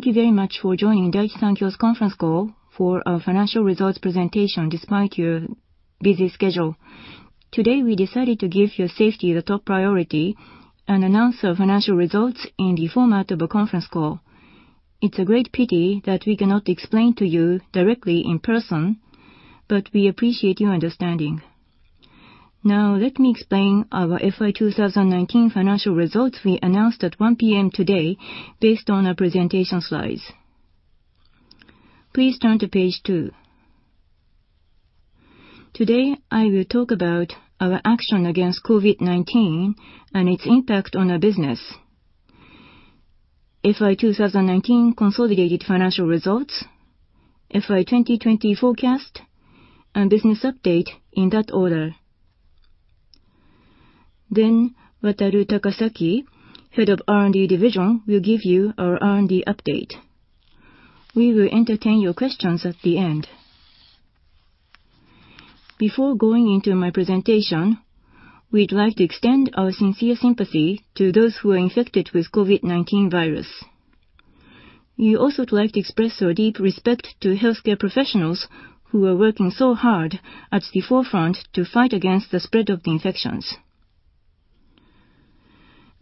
Thank you very much for joining Daiichi Sankyo's conference call for our financial results presentation, despite your busy schedule. Today, we decided to give your safety the top priority and announce our financial results in the format of a conference call. It's a great pity that we cannot explain to you directly in person, but we appreciate your understanding. Now, let me explain our FY 2019 financial results we announced at 1:00PM today based on our presentation slides. Please turn to page two. Today, I will talk about our action against COVID-19 and its impact on our business, FY 2019 consolidated financial results, FY 2020 forecast, and business update in that order. Wataru Takasaki, Head of R&D Division, will give you our R&D update. We will entertain your questions at the end. Before going into my presentation, we'd like to extend our sincere sympathy to those who are infected with COVID-19 virus. We would also like to express our deep respect to healthcare professionals who are working so hard at the forefront to fight against the spread of the infections.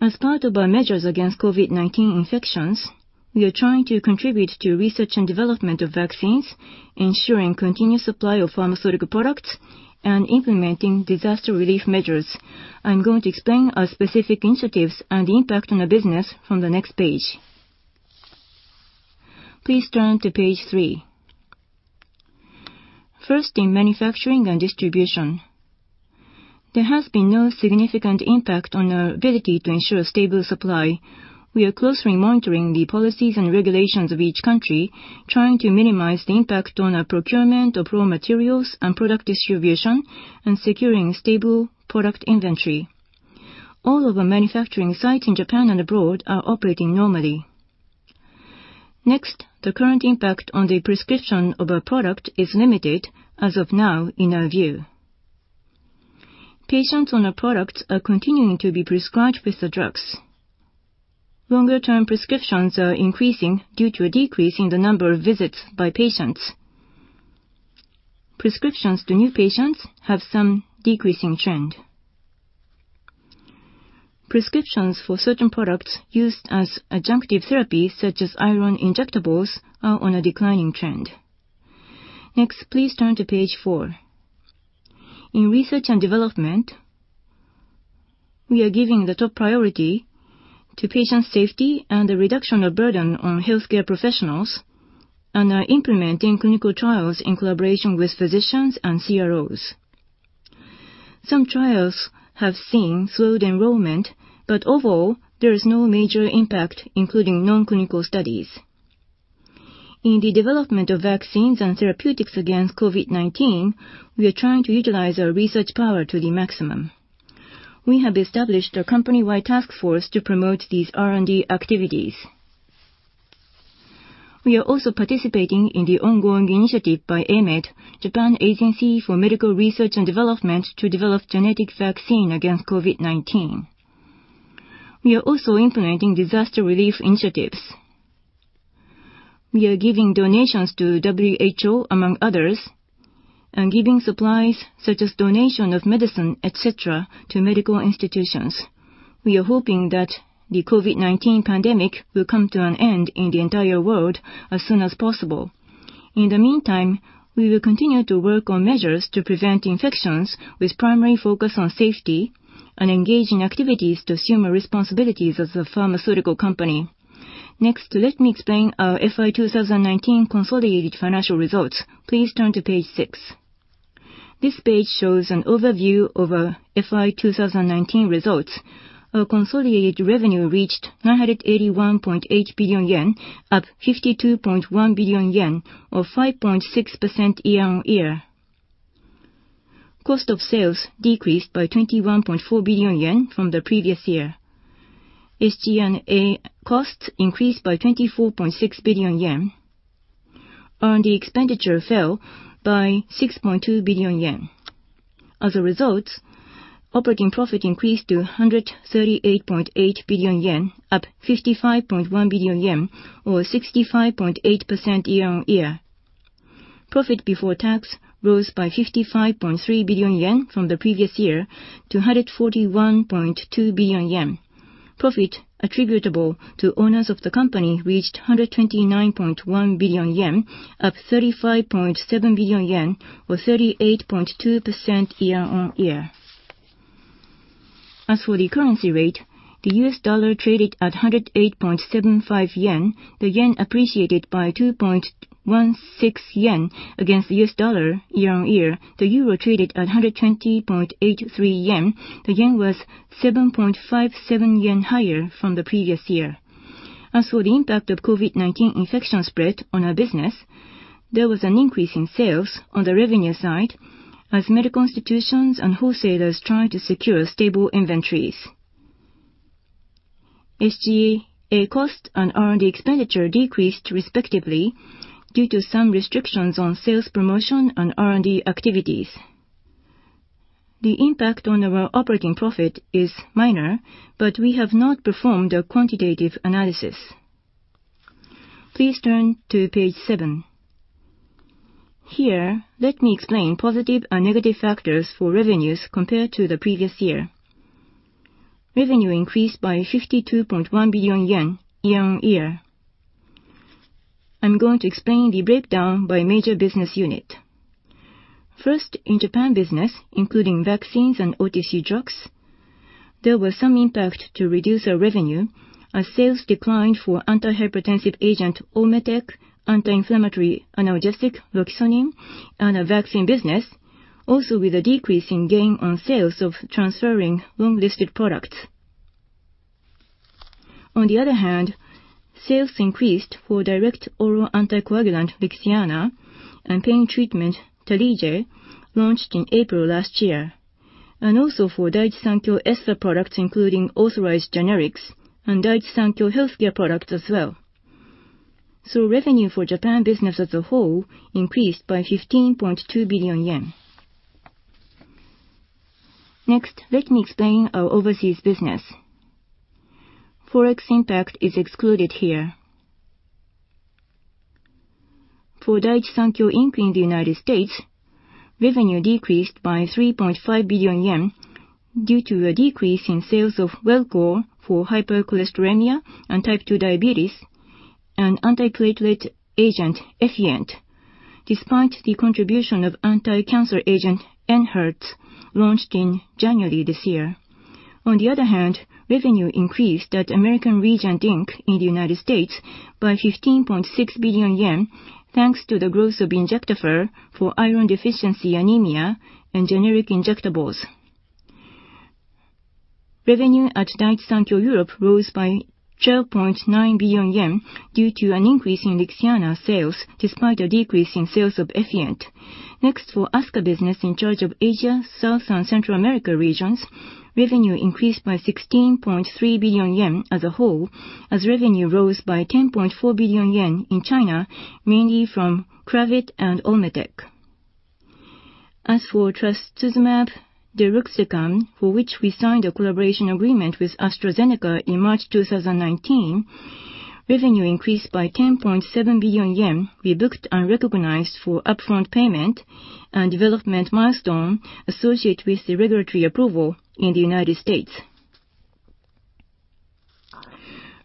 As part of our measures against COVID-19 infections, we are trying to contribute to research and development of vaccines, ensuring continuous supply of pharmaceutical products, and implementing disaster relief measures. I'm going to explain our specific initiatives and impact on the business from the next page. Please turn to page three. First, in manufacturing and distribution, there has been no significant impact on our ability to ensure stable supply. We are closely monitoring the policies and regulations of each country, trying to minimize the impact on our procurement of raw materials and product distribution and securing stable product inventory. All of our manufacturing sites in Japan and abroad are operating normally. Next, the current impact on the prescription of our product is limited as of now, in our view. Patients on our products are continuing to be prescribed with the drugs. Longer term prescriptions are increasing due to a decrease in the number of visits by patients. Prescriptions to new patients have some decreasing trend. Prescriptions for certain products used as adjunctive therapy, such as iron injectables, are on a declining trend. Next, please turn to page four. In research and development, we are giving the top priority to patient safety and the reduction of burden on healthcare professionals and are implementing clinical trials in collaboration with physicians and CROs. Some trials have seen slowed enrollment, but overall, there is no major impact, including non-clinical studies. In the development of vaccines and therapeutics against COVID-19, we are trying to utilize our research power to the maximum. We have established a company-wide task force to promote these R&D activities. We are also participating in the ongoing initiative by AMED, Japan Agency for Medical Research and Development, to develop genetic vaccine against COVID-19. We are also implementing disaster relief initiatives. We are giving donations to WHO, among others, and giving supplies, such as donation of medicine, et cetera, to medical institutions. We are hoping that the COVID-19 pandemic will come to an end in the entire world as soon as possible. In the meantime, we will continue to work on measures to prevent infections, with primary focus on safety and engaging activities to assume our responsibilities as a pharmaceutical company. Let me explain our FY 2019 consolidated financial results. Please turn to page six. This page shows an overview of our FY 2019 results. Our consolidated revenue reached 981.8 billion yen, up 52.1 billion yen or 5.6% year-on-year. Cost of sales decreased by 21.4 billion yen from the previous year. SG&A costs increased by 24.6 billion yen. R&D expenditure fell by 6.2 billion yen. Operating profit increased to 138.8 billion yen, up 55.1 billion yen or 65.8% year-on-year. Profit before tax rose by 55.3 billion yen from the previous year to 141.2 billion yen. Profit attributable to owners of the company reached 129.1 billion yen, up 35.7 billion yen or 38.2% year-on-year. The US dollar traded at 108.75 yen. The yen appreciated by 2.16 yen against the US dollar year-on-year. The euro traded at 120.83 yen. The yen was 7.57 yen higher from the previous year. As for the impact of COVID-19 infection spread on our business, there was an increase in sales on the revenue side as many institutions and wholesalers tried to secure stable inventories. SG&A costs and R&D expenditure decreased respectively due to some restrictions on sales promotion and R&D activities. The impact on our operating profit is minor. We have not performed a quantitative analysis. Please turn to page seven. Here, let me explain positive and negative factors for revenues compared to the previous year. Revenue increased by 52.1 billion yen year-on-year. I'm going to explain the breakdown by major business unit. First, in Japan business, including vaccines and OTC drugs, there was some impact to reduce our revenue, as sales declined for anti-hypertensive agent Olmetec, anti-inflammatory analgesic Loxonin, and our vaccine business, also with a decrease in gain on sales of transferring long-listed products. Sales increased for direct oral anticoagulant LIXIANA and pain treatment Tarlige, launched in April last year, and also for Daiichi Sankyo Espha products, including authorized generics and Daiichi Sankyo Healthcare products as well. Revenue for Japan business as a whole increased by 15.2 billion yen. Let me explain our overseas business. Forex impact is excluded here. For Daiichi Sankyo, Inc. in the U.S., revenue decreased by 3.5 billion yen due to a decrease in sales of Welchol for hypercholesterolemia and type 2 diabetes, and antiplatelet agent Effient, despite the contribution of anti-cancer agent ENHERTU, launched in January this year. Revenue increased at American Regent, Inc. in the U.S. by 15.6 billion yen, thanks to the growth of Injectafer for iron deficiency anemia and generic injectables. Revenue at Daiichi Sankyo Europe rose by 12.9 billion yen due to an increase in LIXIANA sales, despite a decrease in sales of Effient. For ASCA business in charge of Asia, South and Central America regions, revenue increased by 16.3 billion yen as a whole, as revenue rose by 10.4 billion yen in China, mainly from Crestor and Olmetec. As for trastuzumab deruxtecan, for which we signed a collaboration agreement with AstraZeneca in March 2019, revenue increased by 10.7 billion yen we booked unrecognized for upfront payment and development milestone associated with the regulatory approval in the United States.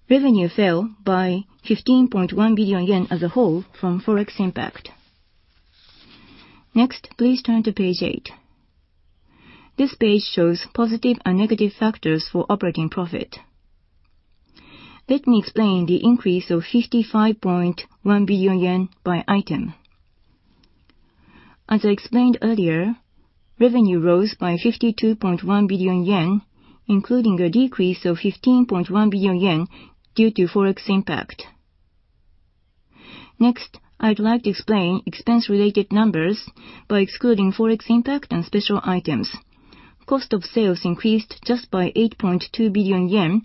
Revenue fell by 15.1 billion yen as a whole from Forex impact. Please turn to page eight. This page shows positive and negative factors for operating profit. Let me explain the increase of 55.1 billion yen by item. As I explained earlier, revenue rose by 52.1 billion yen, including a decrease of 15.1 billion yen due to Forex impact. Next, I'd like to explain expense related numbers by excluding Forex impact and special items. Cost of sales increased just by 8.2 billion yen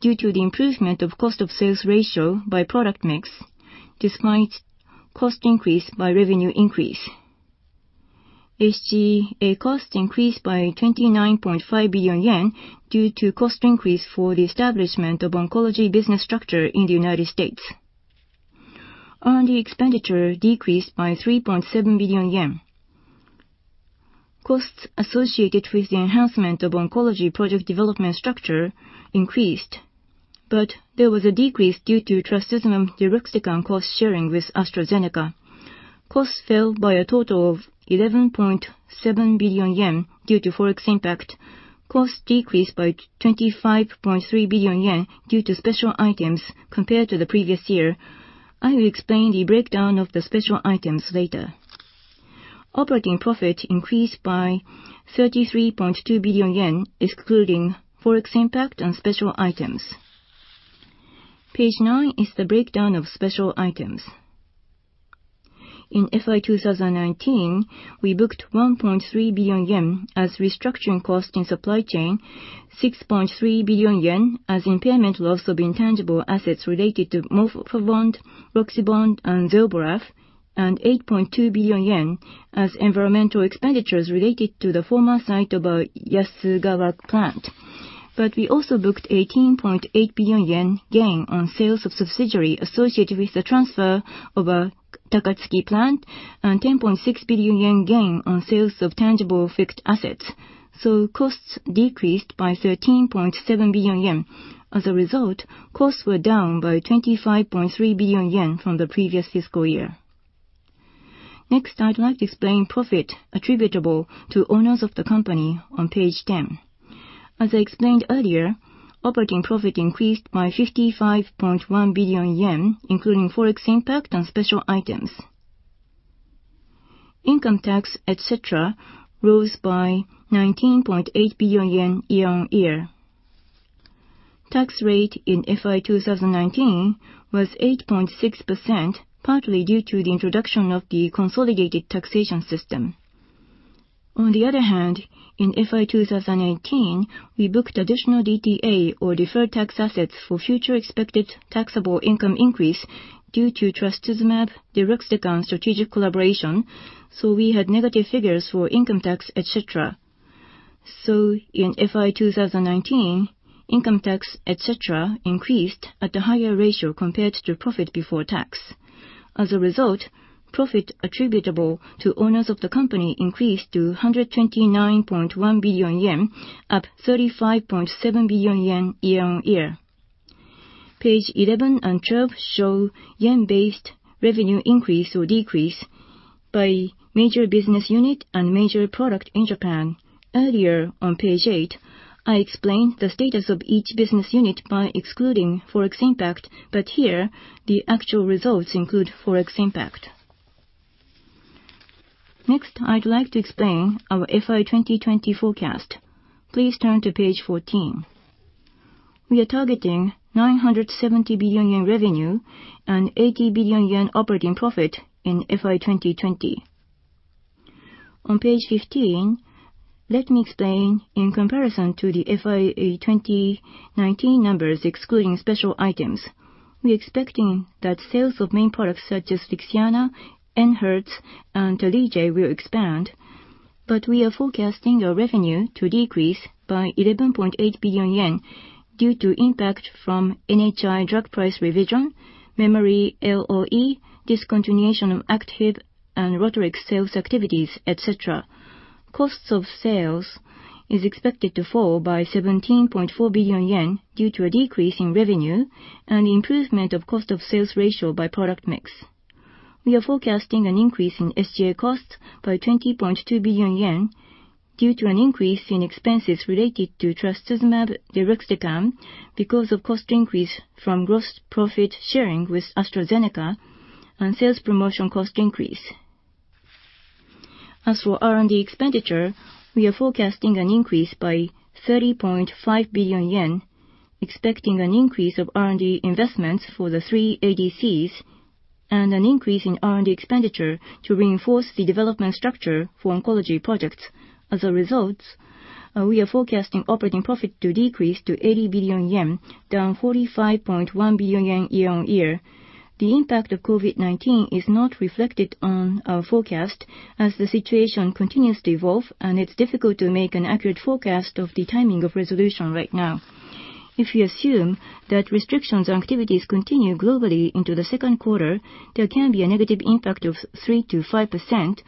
due to the improvement of cost of sales ratio by product mix despite cost increase by revenue increase. SG&A cost increased by 29.5 billion yen due to cost increase for the establishment of oncology business structure in the U.S. R&D expenditure decreased by 3.7 billion yen. Costs associated with the enhancement of oncology project development structure increased, but there was a decrease due to trastuzumab deruxtecan cost sharing with AstraZeneca. Costs fell by a total of 11.7 billion yen due to Forex impact. Costs decreased by 25.3 billion yen due to special items compared to the previous year. I will explain the breakdown of the special items later. Operating profit increased by 33.2 billion yen, excluding Forex impact and special items. Page nine is the breakdown of special items. In FY 2019, we booked 1.3 billion yen as restructuring cost in supply chain, 6.3 billion yen as impairment loss of intangible assets related to MorphaBond, RoxyBond, and Zelboraf, and 8.2 billion yen as environmental expenditures related to the former site of our Yasugawa plant. We also booked 18.8 billion yen gain on sales of subsidiary associated with the transfer of our Takatsuki plant and 10.6 billion yen gain on sales of tangible fixed assets. Costs decreased by 13.7 billion yen. As a result, costs were down by 25.3 billion yen from the previous fiscal year. Next, I'd like to explain profit attributable to owners of the company on page 10. As I explained earlier, operating profit increased by 55.1 billion yen, including Forex impact on special items. Income tax, et cetera, rose by JPY 19.8 billion year-on-year. Tax rate in FY 2019 was 8.6%, partly due to the introduction of the consolidated taxation system. On the other hand, in FY 2018, we booked additional DTA, or deferred tax assets, for future expected taxable income increase due to trastuzumab deruxtecan strategic collaboration, we had negative figures for income tax, et cetera. In FY 2019, income tax, et cetera, increased at a higher ratio compared to profit before tax. As a result, profit attributable to owners of the company increased to 129.1 billion yen, up 35.7 billion yen year on year. Page 11 and 12 show JPY-based revenue increase or decrease by major business unit and major product in Japan. Earlier on page eight, I explained the status of each business unit by excluding Forex impact. Here, the actual results include Forex impact. I'd like to explain our FY 2020 forecast. Please turn to page 14. We are targeting 970 billion yen revenue and 80 billion yen operating profit in FY 2020. On page 15, let me explain in comparison to the FY 2019 numbers, excluding special items. We're expecting that sales of main products such as REXULTI, ENHERTU, and Tarlige will expand. We are forecasting our revenue to decrease by 11.8 billion yen due to impact from NHI drug price revision, memory LOE, discontinuation of ActHIB and ROTARIX sales activities, et cetera. Costs of sales is expected to fall by 17.4 billion yen due to a decrease in revenue and improvement of cost of sales ratio by product mix. We are forecasting an increase in SG&A costs by 20.2 billion yen due to an increase in expenses related to trastuzumab deruxtecan because of cost increase from gross profit sharing with AstraZeneca and sales promotion cost increase. As for R&D expenditure, we are forecasting an increase by 30.5 billion yen, expecting an increase of R&D investments for the three ADCs and an increase in R&D expenditure to reinforce the development structure for oncology projects. As a result, we are forecasting operating profit to decrease to 80 billion yen, down 45.1 billion yen year-on-year. The impact of COVID-19 is not reflected on our forecast as the situation continues to evolve, it's difficult to make an accurate forecast of the timing of resolution right now. If we assume that restrictions on activities continue globally into the second quarter, there can be a negative impact of 3%-5%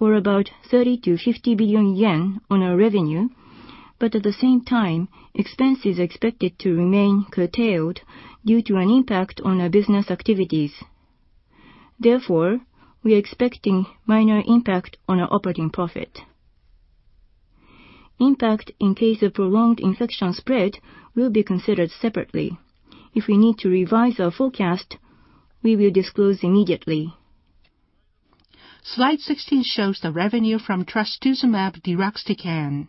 or about 30 billion-50 billion yen on our revenue. At the same time, expenses are expected to remain curtailed due to an impact on our business activities. Therefore, we are expecting minor impact on our operating profit. Impact in case of prolonged infection spread will be considered separately. If we need to revise our forecast, we will disclose immediately. Slide 16 shows the revenue from trastuzumab deruxtecan.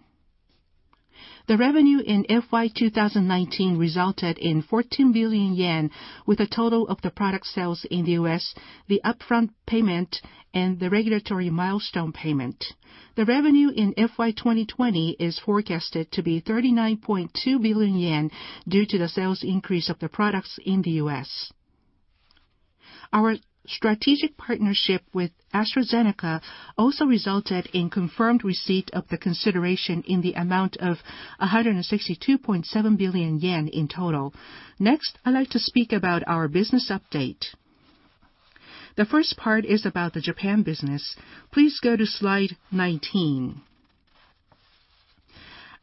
The revenue in FY 2019 resulted in 14 billion yen with a total of the product sales in the U.S., the upfront payment, and the regulatory milestone payment. The revenue in FY 2020 is forecasted to be 39.2 billion yen due to the sales increase of the products in the U.S. Our strategic partnership with AstraZeneca also resulted in confirmed receipt of the consideration in the amount of 162.7 billion yen in total. Next, I'd like to speak about our business update. The first part is about the Japan business. Please go to slide 19.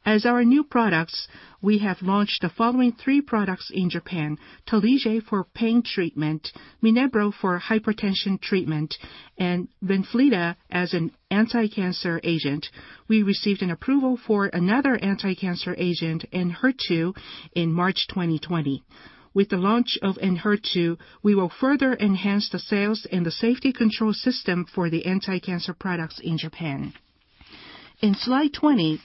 As our new products, we have launched the following three products in Japan, Tarlige for pain treatment, MINNEBRO for hypertension treatment, and VANFLYTA as an anti-cancer agent. We received an approval for another anti-cancer agent, ENHERTU, in March 2020. With the launch of ENHERTU, we will further enhance the sales and the safety control system for the anti-cancer products in Japan. In slide 20,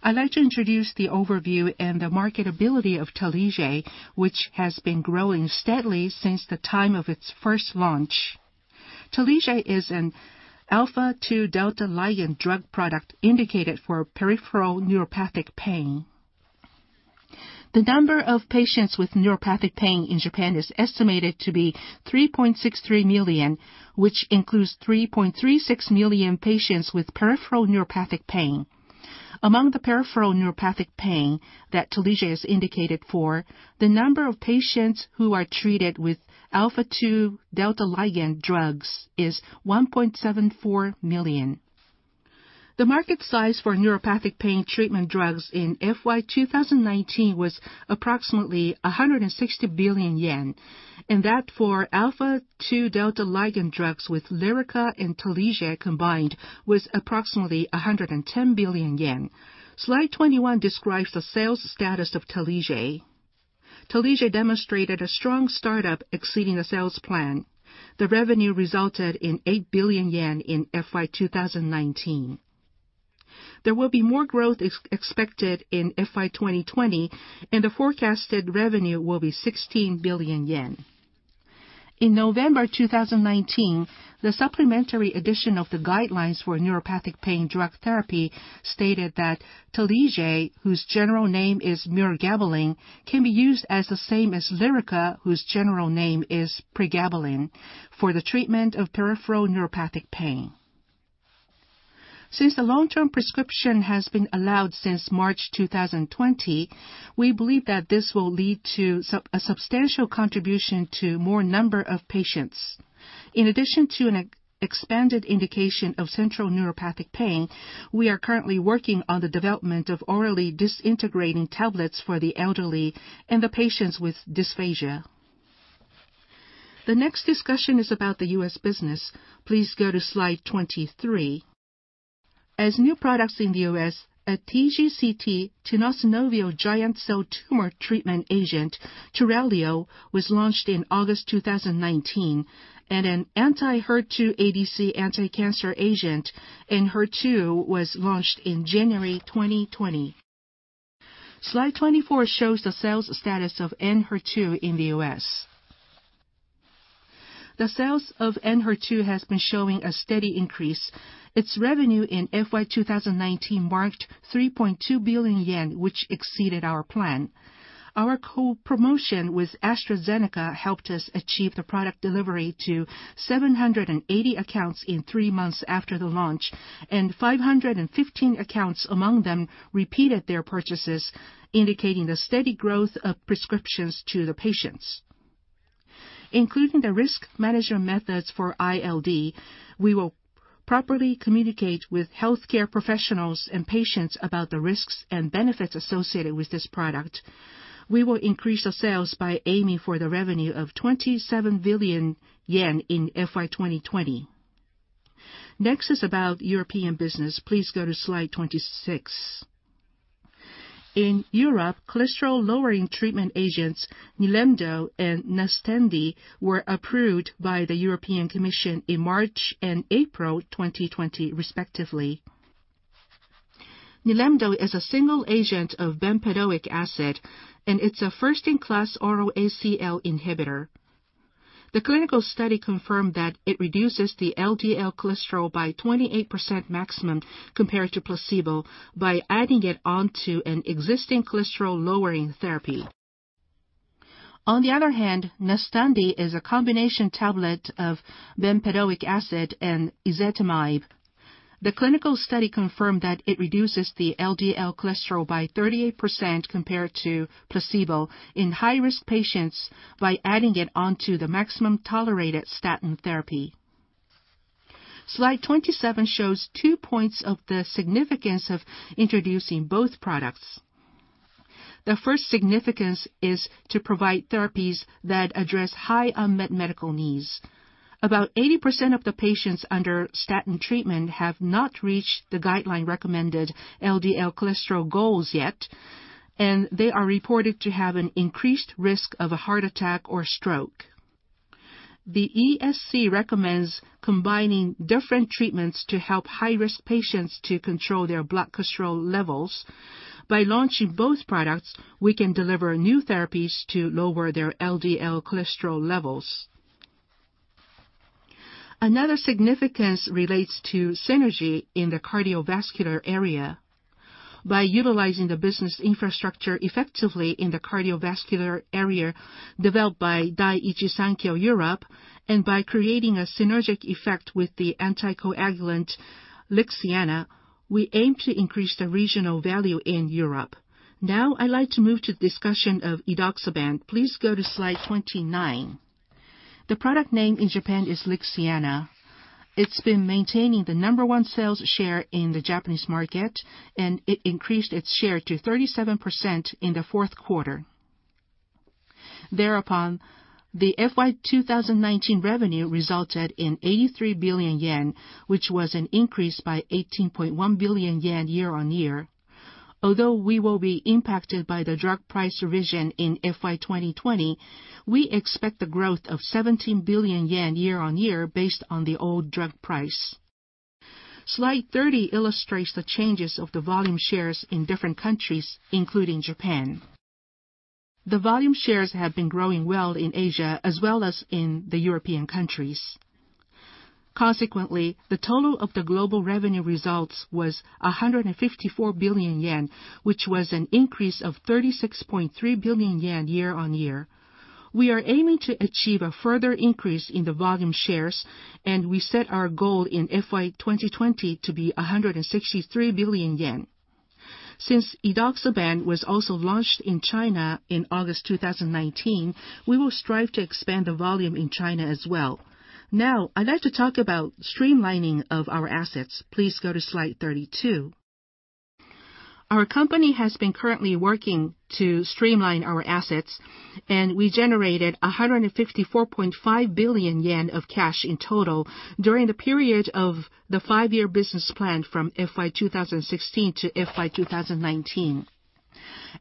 I'd like to introduce the overview and the marketability of Tarlige, which has been growing steadily since the time of its first launch. Tarlige is an alpha-2-delta ligand drug product indicated for peripheral neuropathic pain. The number of patients with neuropathic pain in Japan is estimated to be 3.63 million, which includes 3.36 million patients with peripheral neuropathic pain. Among the peripheral neuropathic pain that Tarlige is indicated for, the number of patients who are treated with alpha-2-delta ligand drugs is 1.74 million. The market size for neuropathic pain treatment drugs in FY 2019 was approximately 160 billion yen, and that for alpha-2-delta ligand drugs with Lyrica and Tarlige combined was approximately 110 billion yen. Slide 21 describes the sales status of Tarlige. Tarlige demonstrated a strong startup exceeding the sales plan. The revenue resulted in 8 billion yen in FY 2019. There will be more growth expected in FY 2020, and the forecasted revenue will be 16 billion yen. In November 2019, the supplementary edition of the guidelines for neuropathic pain drug therapy stated that Tarlige, whose general name is mirogabalin, can be used as the same as Lyrica, whose general name is pregabalin, for the treatment of peripheral neuropathic pain. Since the long-term prescription has been allowed since March 2020, we believe that this will lead to a substantial contribution to more number of patients. In addition to an expanded indication of central neuropathic pain, we are currently working on the development of orally disintegrating tablets for the elderly and the patients with dysphagia. The next discussion is about the U.S. business. Please go to slide 23. As new products in the U.S., a TGCT, tenosynovial giant cell tumor treatment agent, TURALIO, was launched in August 2019, and an anti-HER2 ADC anticancer agent, ENHERTU, was launched in January 2020. Slide 24 shows the sales status of ENHERTU in the U.S. The sales of ENHERTU has been showing a steady increase. Its revenue in FY 2019 marked 3.2 billion yen, which exceeded our plan. Our co-promotion with AstraZeneca helped us achieve the product delivery to 780 accounts in three months after the launch, and 515 accounts among them repeated their purchases, indicating the steady growth of prescriptions to the patients. Including the risk management methods for ILD, we will properly communicate with healthcare professionals and patients about the risks and benefits associated with this product. We will increase the sales by aiming for the revenue of 27 billion yen in FY 2020. Next is about European business. Please go to slide 26. In Europe, cholesterol-lowering treatment agents, NILEMDO and NUSTENDI, were approved by the European Commission in March and April 2020, respectively. NILEMDO is a single agent of bempedoic acid, and it's a first-in-class oral ACL inhibitor. The clinical study confirmed that it reduces the LDL cholesterol by 28% maximum compared to placebo by adding it onto an existing cholesterol-lowering therapy. On the other hand, NUSTENDI is a combination tablet of bempedoic acid and ezetimibe. The clinical study confirmed that it reduces the LDL cholesterol by 38% compared to placebo in high-risk patients by adding it onto the maximum-tolerated statin therapy. Slide 27 shows two points of the significance of introducing both products. The first significance is to provide therapies that address high unmet medical needs. About 80% of the patients under statin treatment have not reached the guideline-recommended LDL cholesterol goals yet, and they are reported to have an increased risk of a heart attack or stroke. The ESC recommends combining different treatments to help high-risk patients to control their blood cholesterol levels. By launching both products, we can deliver new therapies to lower their LDL cholesterol levels. Another significance relates to synergy in the cardiovascular area. By utilizing the business infrastructure effectively in the cardiovascular area developed by Daiichi Sankyo Europe, and by creating a synergic effect with the anticoagulant LIXIANA, we aim to increase the regional value in Europe. Now I'd like to move to discussion of edoxaban. Please go to slide 29. The product name in Japan is LIXIANA. It's been maintaining the number one sales share in the Japanese market, and it increased its share to 37% in the fourth quarter. Thereupon, the FY 2019 revenue resulted in 83 billion yen, which was an increase by 18.1 billion yen year-on-year. Although we will be impacted by the drug price revision in FY 2020, we expect the growth of 17 billion yen year-on-year based on the old drug price. Slide 30 illustrates the changes of the volume shares in different countries, including Japan. The volume shares have been growing well in Asia as well as in the European countries. Consequently, the total of the global revenue results was 154 billion yen, which was an increase of 36.3 billion yen year-on-year. We are aiming to achieve a further increase in the volume shares, and we set our goal in FY 2020 to be 163 billion yen. Since edoxaban was also launched in China in August 2019, we will strive to expand the volume in China as well. Now I'd like to talk about streamlining of our assets. Please go to slide 32. Our company has been currently working to streamline our assets. We generated 154.5 billion yen of cash in total during the period of the five-year business plan from FY 2016 to FY 2019.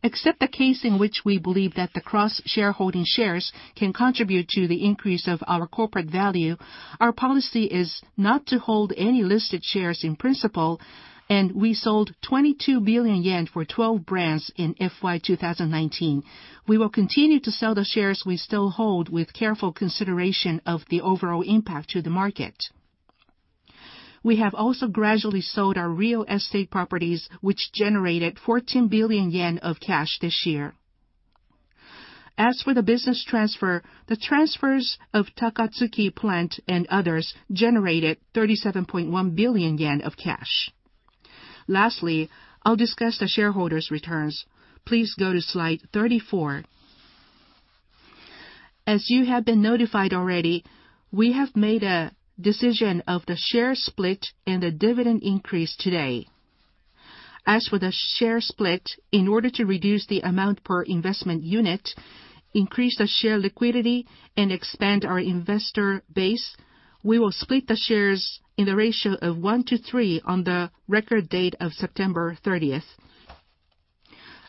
Except the case in which we believe that the cross-shareholding shares can contribute to the increase of our corporate value, our policy is not to hold any listed shares in principle. We sold 22 billion yen for 12 brands in FY 2019. We will continue to sell the shares we still hold with careful consideration of the overall impact to the market. We have also gradually sold our real estate properties, which generated 14 billion yen of cash this year. As for the business transfer, the transfers of Takatsuki Plant and others generated 37.1 billion yen of cash. Lastly, I'll discuss the shareholders' returns. Please go to slide 34. As you have been notified already, we have made a decision of the share split and the dividend increase today. As for the share split, in order to reduce the amount per investment unit, increase the share liquidity, and expand our investor base, we will split the shares in the ratio of 1-3 on the record date of September 30th.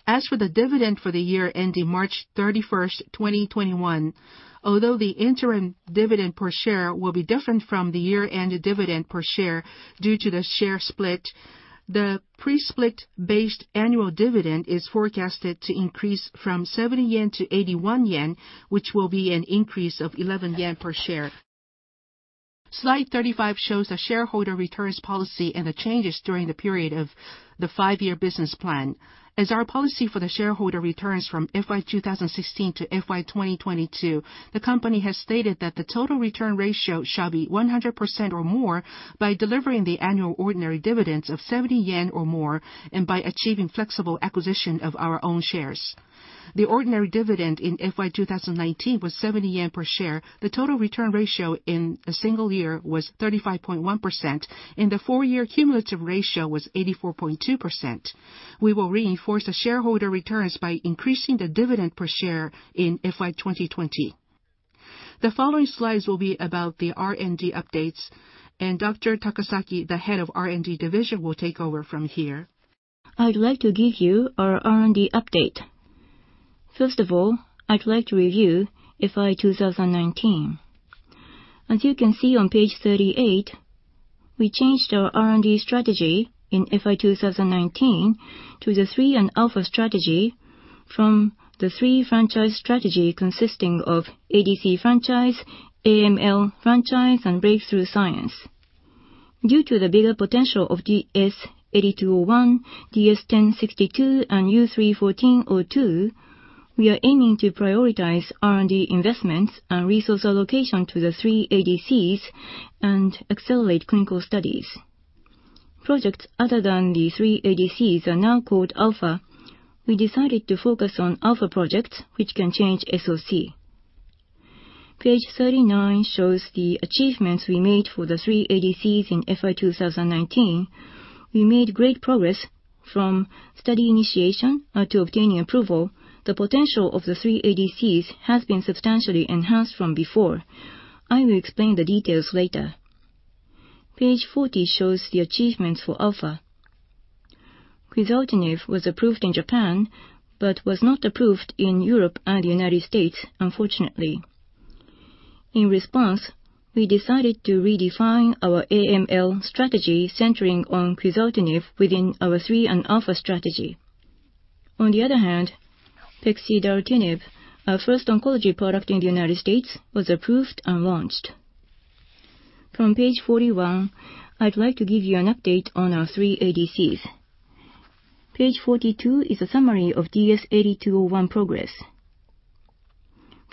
As for the dividend for the year ending March 31st, 2021, although the interim dividend per share will be different from the year-end dividend per share due to the share split, the pre-split based annual dividend is forecasted to increase from 70 yen to 81 yen, which will be an increase of 11 yen per share. Slide 35 shows the shareholder returns policy and the changes during the period of the five-year business plan. As our policy for the shareholder returns from FY 2016 to FY 2022, the company has stated that the total return ratio shall be 100% or more by delivering the annual ordinary dividends of 70 yen or more and by achieving flexible acquisition of our own shares. The ordinary dividend in FY 2019 was 70 yen per share. The total return ratio in a single year was 35.1%, and the four-year cumulative ratio was 84.2%. We will reinforce the shareholder returns by increasing the dividend per share in FY 2020. The following slides will be about the R&D updates and Dr. Takasaki, the Head of R&D Division, will take over from here. I'd like to give you our R&D update. First of all, I'd like to review FY 2019. As you can see on page 38, we changed our R&D strategy in FY 2019 to the 3+α strategy from the three franchise strategy consisting of ADC franchise, AML franchise, and breakthrough science. Due to the bigger potential of DS-8201, DS-1062, and U3-1402, we are aiming to prioritize R&D investments and resource allocation to the three ADCs and accelerate clinical studies. Projects other than the three ADCs are now called Alpha. We decided to focus on Alpha projects, which can change SoC. Page 39 shows the achievements we made for the three ADCs in FY 2019. We made great progress from study initiation to obtaining approval. The potential of the three ADCs has been substantially enhanced from before. I will explain the details later. Page 40 shows the achievements for Alpha. Quizartinib was approved in Japan. It was not approved in Europe and the U.S., unfortunately. In response, we decided to redefine our AML strategy centering on quizartinib within our 3+α strategy. On the other hand, pexidartinib, our first oncology product in the U.S., was approved and launched. From page 41, I'd like to give you an update on our three ADCs. Page 42 is a summary of DS-8201 progress.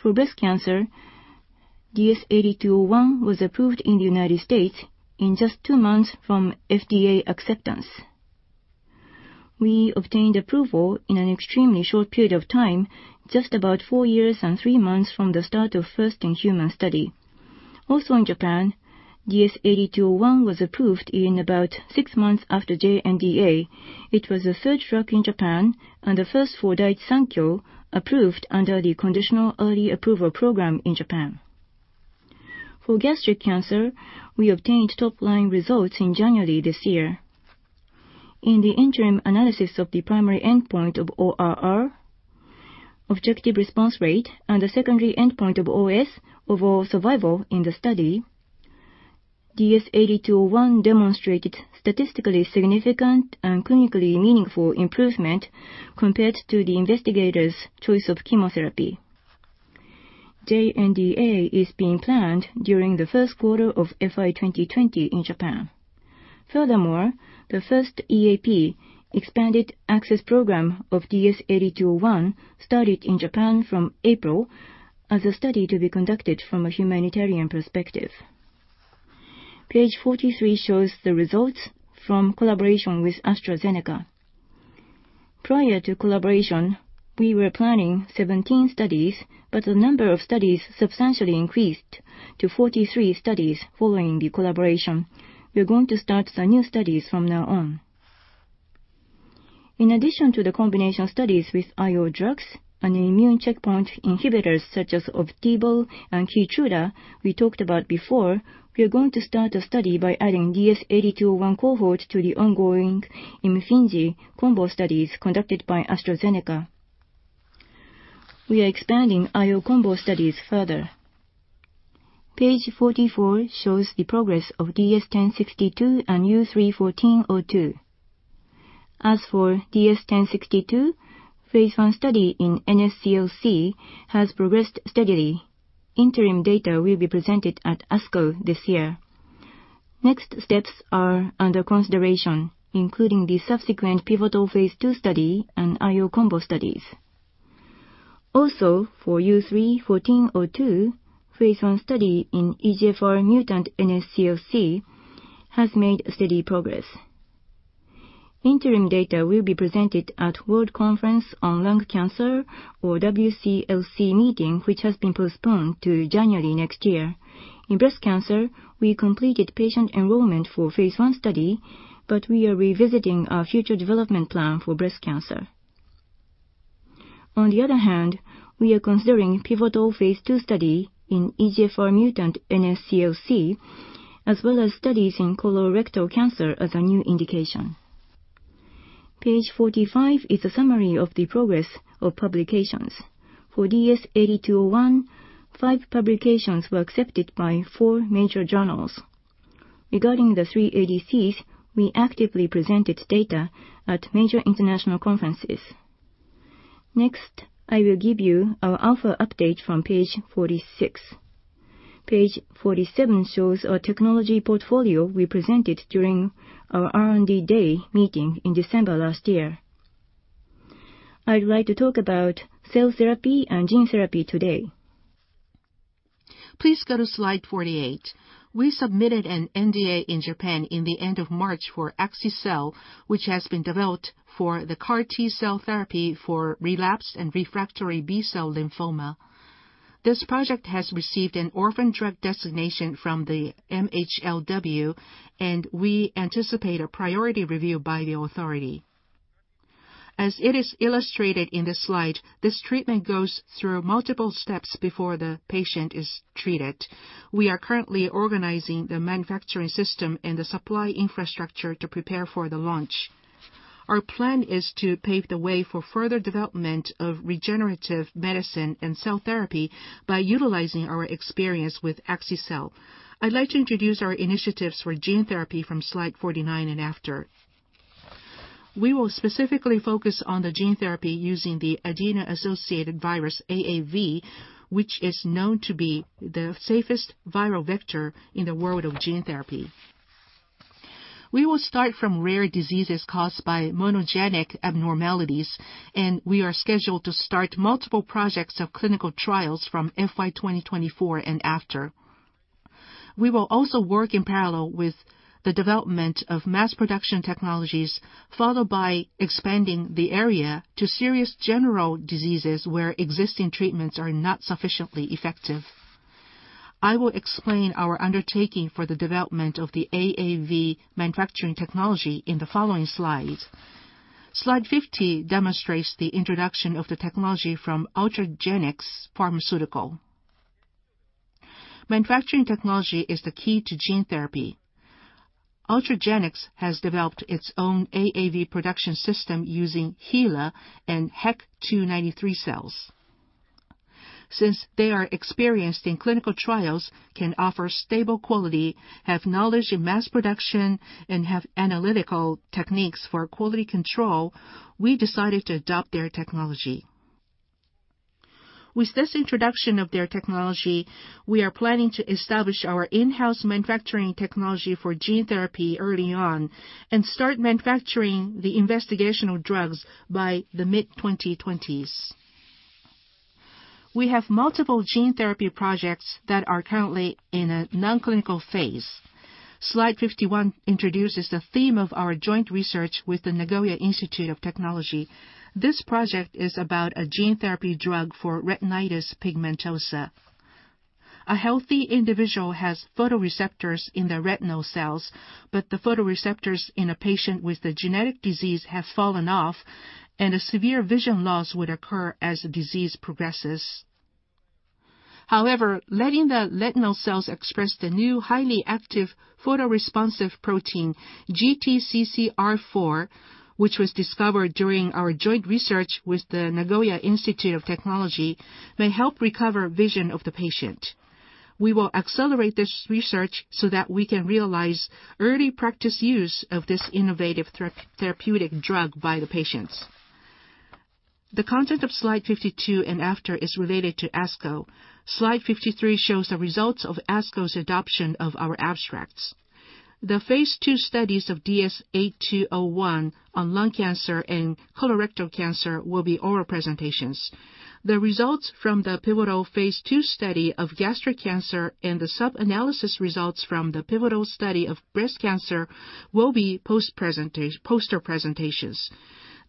For breast cancer, DS-8201 was approved in the U.S. in just two months from FDA acceptance. We obtained approval in an extremely short period of time, just about four years and three months from the start of first-in-human study. Also in Japan, DS-8201 was approved in about six months after JNDA. It was the third drug in Japan and the first for Daiichi Sankyo, approved under the Conditional Early Approval Program in Japan. For gastric cancer, we obtained top-line results in January this year. In the interim analysis of the primary endpoint of ORR, Objective Response Rate, and the secondary endpoint of OS, Overall Survival in the study, DS-8201 demonstrated statistically significant and clinically meaningful improvement compared to the investigator's choice of chemotherapy. JNDA is being planned during the first quarter of FY 2020 in Japan. Furthermore, the first EAP, Expanded Access Program, of DS-8201 started in Japan from April as a study to be conducted from a humanitarian perspective. Page 43 shows the results from collaboration with AstraZeneca. Prior to collaboration, we were planning 17 studies, but the number of studies substantially increased to 43 studies following the collaboration. We are going to start the new studies from now on. In addition to the combination studies with IO drugs and immune checkpoint inhibitors such as Opdivo and KEYTRUDA we talked about before, we are going to start a study by adding DS-8201 cohort to the ongoing IMFINZI combo studies conducted by AstraZeneca. We are expanding IO combo studies further. Page 44 shows the progress of DS-1062 and U3-1402. As for DS-1062, phase I study in NSCLC has progressed steadily. Interim data will be presented at ASCO this year. Next steps are under consideration, including the subsequent pivotal phase II study and IO combo studies. For U3-1402, phase I study in EGFR mutant NSCLC has made steady progress. Interim data will be presented at World Conference on Lung Cancer or WCLC meeting, which has been postponed to January next year. In breast cancer, we completed patient enrollment for phase I study, but we are revisiting our future development plan for breast cancer. We are considering pivotal phase II study in EGFR mutant NSCLC, as well as studies in colorectal cancer as a new indication. Page 45 is a summary of the progress of publications. For DS8201, five publications were accepted by four major journals. Regarding the three ADCs, we actively presented data at major international conferences. I will give you our alpha update from page 46. Page 47 shows our technology portfolio we presented during our R&D day meeting in December last year. I would like to talk about cell therapy and gene therapy today. Please go to slide 48. We submitted an NDA in Japan in the end of March for Axi-Cel, which has been developed for the CAR T-cell therapy for relapsed and refractory B-cell lymphoma. This project has received an orphan drug designation from the MHLW. We anticipate a priority review by the authority. As it is illustrated in the slide, this treatment goes through multiple steps before the patient is treated. We are currently organizing the manufacturing system and the supply infrastructure to prepare for the launch. Our plan is to pave the way for further development of regenerative medicine and cell therapy by utilizing our experience with Axi-Cel. I'd like to introduce our initiatives for gene therapy from slide 49 and after. We will specifically focus on the gene therapy using the adeno-associated virus, AAV, which is known to be the safest viral vector in the world of gene therapy. We will start from rare diseases caused by monogenic abnormalities, and we are scheduled to start multiple projects of clinical trials from FY 2024 and after. We will also work in parallel with the development of mass production technologies, followed by expanding the area to serious general diseases where existing treatments are not sufficiently effective. I will explain our undertaking for the development of the AAV manufacturing technology in the following slides. Slide 50 demonstrates the introduction of the technology from Ultragenyx Pharmaceutical. Manufacturing technology is the key to gene therapy. Ultragenyx has developed its own AAV production system using HeLa and HEK293 cells. Since they are experienced in clinical trials, can offer stable quality, have knowledge in mass production, and have analytical techniques for quality control, we decided to adopt their technology. With this introduction of their technology, we are planning to establish our in-house manufacturing technology for gene therapy early on and start manufacturing the investigational drugs by the mid-2020s. We have multiple gene therapy projects that are currently in a non-clinical phase. Slide 51 introduces the theme of our joint research with the Nagoya Institute of Technology. This project is about a gene therapy drug for retinitis pigmentosa. A healthy individual has photoreceptors in their retinal cells, but the photoreceptors in a patient with the genetic disease have fallen off, and a severe vision loss would occur as the disease progresses. However, letting the retinal cells express the new, highly active photoresponsive protein, GTCC R4, which was discovered during our joint research with the Nagoya Institute of Technology, may help recover vision of the patient. We will accelerate this research so that we can realize early practice use of this innovative therapeutic drug by the patients. The content of slide 52 and after is related to ASCO. Slide 53 shows the results of ASCO's adoption of our abstracts. The phase II studies of DS-8201 on lung cancer and colorectal cancer will be oral presentations. The results from the pivotal Phase II study of gastric cancer and the sub-analysis results from the pivotal study of breast cancer will be poster presentations.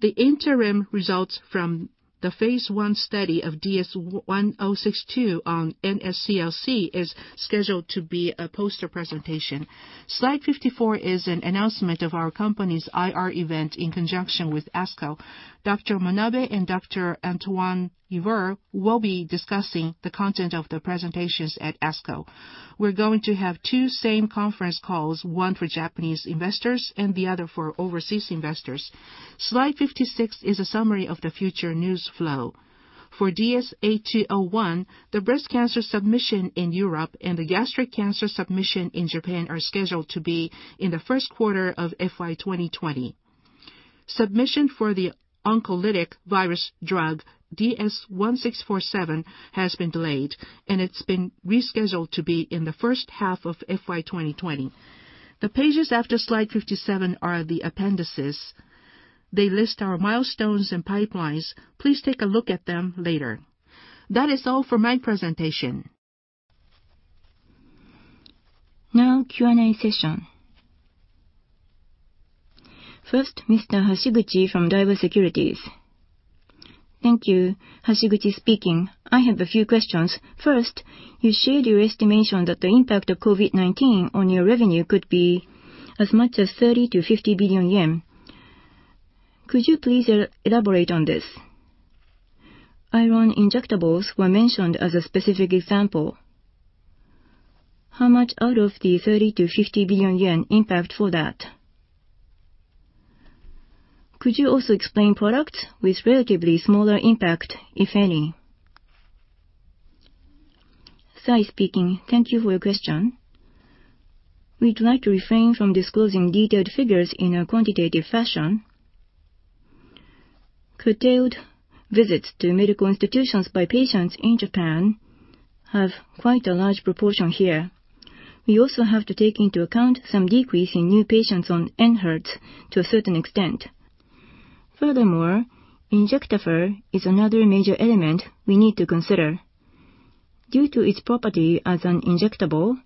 The interim results from the Phase I study of DS-1062 on NSCLC is scheduled to be a poster presentation. Slide 54 is an announcement of our company's IR event in conjunction with ASCO. Dr. Manabe and Dr. Antoine Yver will be discussing the content of the presentations at ASCO. We're going to have two same conference calls, one for Japanese investors and the other for overseas investors. Slide 56 is a summary of the future news flow. For DS-8201, the breast cancer submission in Europe and the gastric cancer submission in Japan are scheduled to be in the first quarter of FY 2020. Submission for the oncolytic virus drug DS-1647 has been delayed, and it's been rescheduled to be in the first half of FY 2020. The pages after slide 57 are the appendices. They list our milestones and pipelines. Please take a look at them later. That is all for my presentation. Now, Q&A session. First, Mr. Hashiguchi from Daiwa Securities. Thank you. Hashiguchi speaking. I have a few questions. First, you shared your estimation that the impact of COVID-19 on your revenue could be as much as 30 billion-50 billion yen. Could you please elaborate on this? Iron injectables were mentioned as a specific example. How much out of the 30 billion-50 billion yen impact for that? Could you also explain products with relatively smaller impact, if any? Sai speaking. Thank you for your question. We'd like to refrain from disclosing detailed figures in a quantitative fashion. Curtailed visits to medical institutions by patients in Japan have quite a large proportion here. We also have to take into account some decrease in new patients on ENHERTU to a certain extent. Furthermore, Injectafer is another major element we need to consider. Due to its property as an injectable,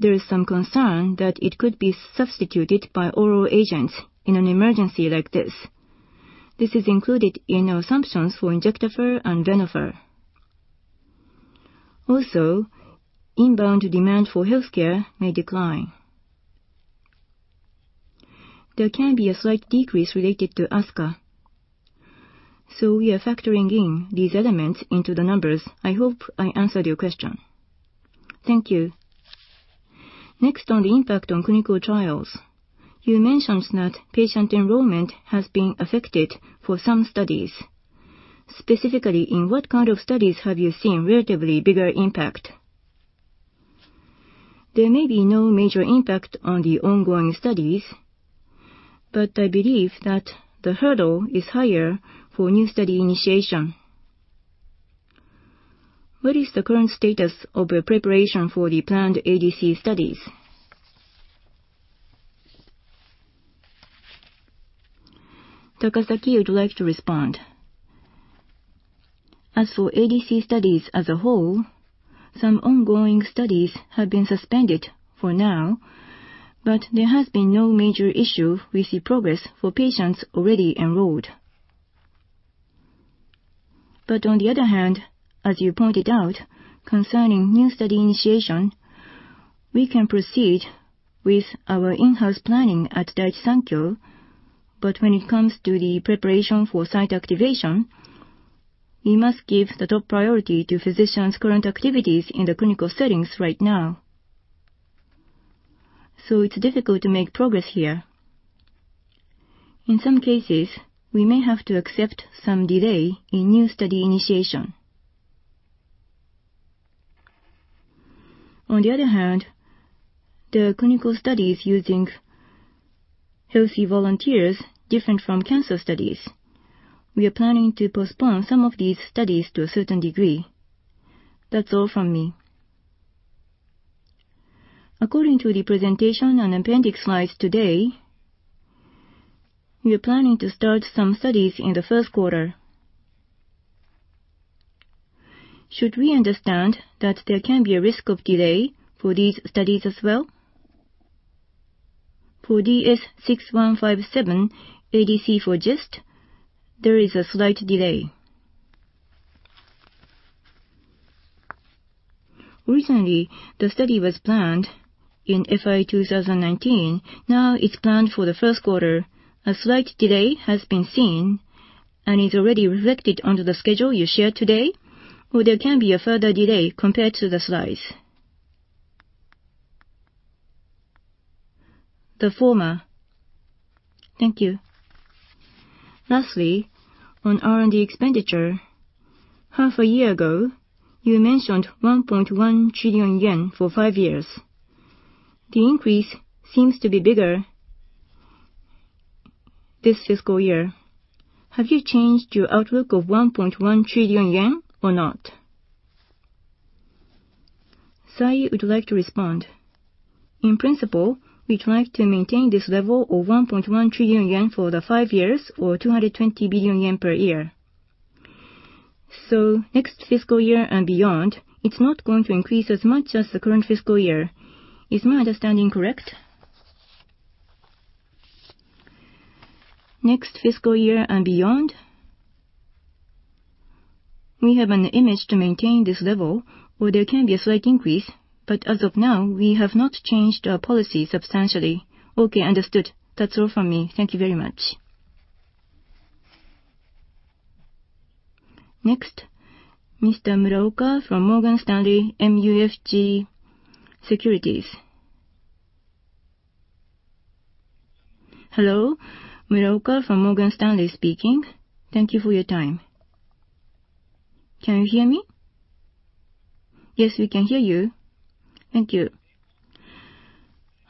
there is some concern that it could be substituted by oral agents in an emergency like this. This is included in our assumptions for Injectafer and Venofer. Inbound demand for healthcare may decline. There can be a slight decrease related to ASCA. We are factoring in these elements into the numbers. I hope I answered your question. Thank you. Next, on the impact on clinical trials. You mentioned that patient enrollment has been affected for some studies. Specifically, in what kind of studies have you seen relatively bigger impact? There may be no major impact on the ongoing studies, but I believe that the hurdle is higher for new study initiation. What is the current status of your preparation for the planned ADC studies? Takasaki would like to respond. As for ADC studies as a whole, some ongoing studies have been suspended for now, but there has been no major issue with the progress for patients already enrolled. On the other hand, as you pointed out, concerning new study initiation, we can proceed with our in-house planning at Daiichi Sankyo, but when it comes to the preparation for site activation, we must give the top priority to physicians' current activities in the clinical settings right now. It's difficult to make progress here. In some cases, we may have to accept some delay in new study initiation. On the other hand, there are clinical studies using healthy volunteers different from cancer studies. We are planning to postpone some of these studies to a certain degree. That's all from me. According to the presentation and appendix slides today, we are planning to start some studies in the first quarter. Should we understand that there can be a risk of delay for these studies as well? For DS-6157 ADC for GIST, there is a slight delay. Recently, the study was planned in FY 2019. Now it's planned for the first quarter. A slight delay has been seen and is already reflected under the schedule you shared today, or there can be a further delay compared to the slides? The former. Thank you. Lastly, on R&D expenditure. Half a year ago, you mentioned 1.1 trillion yen for five years. The increase seems to be bigger this fiscal year. Have you changed your outlook of 1.1 trillion yen or not? Sai would like to respond. In principle, we'd like to maintain this level of 1.1 trillion yen for the five years or 220 billion yen per year. Next fiscal year and beyond, it's not going to increase as much as the current fiscal year. Is my understanding correct? Next fiscal year and beyond, we have an image to maintain this level or there can be a slight increase, but as of now, we have not changed our policy substantially. Okay, understood. That's all from me. Thank you very much. Next, Mr. Muraoka from Morgan Stanley MUFG Securities. Hello. Muraoka from Morgan Stanley speaking. Thank you for your time. Can you hear me? Yes, we can hear you. Thank you.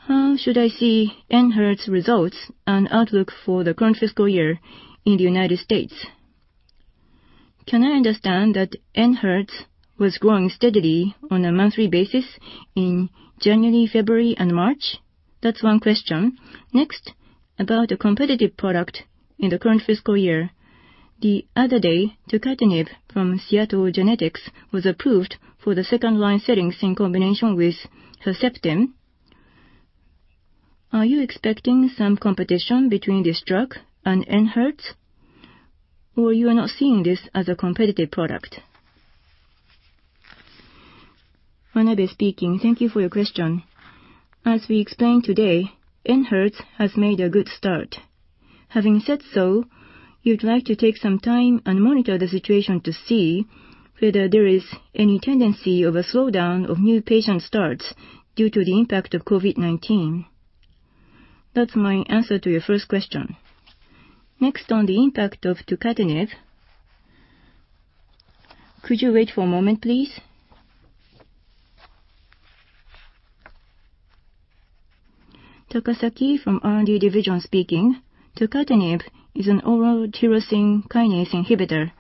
How should I see ENHERTU's results and outlook for the current fiscal year in the U.S.? Can I understand that ENHERTU was growing steadily on a monthly basis in January, February, and March? That's one question. Next, about a competitive product in the current fiscal year. The other day, tucatinib from Seattle Genetics was approved for the second-line settings in combination with Herceptin. Are you expecting some competition between this drug and ENHERTU, or you are not seeing this as a competitive product? Manabe speaking. Thank you for your question. As we explained today, ENHERTU has made a good start. Having said so, we'd like to take some time and monitor the situation to see whether there is any tendency of a slowdown of new patient starts due to the impact of COVID-19. That's my answer to your first question. Next, on the impact of Tucatinib. Could you wait for a moment, please? Takasaki from R&D division speaking. Tucatinib is an oral tyrosine kinase inhibitor.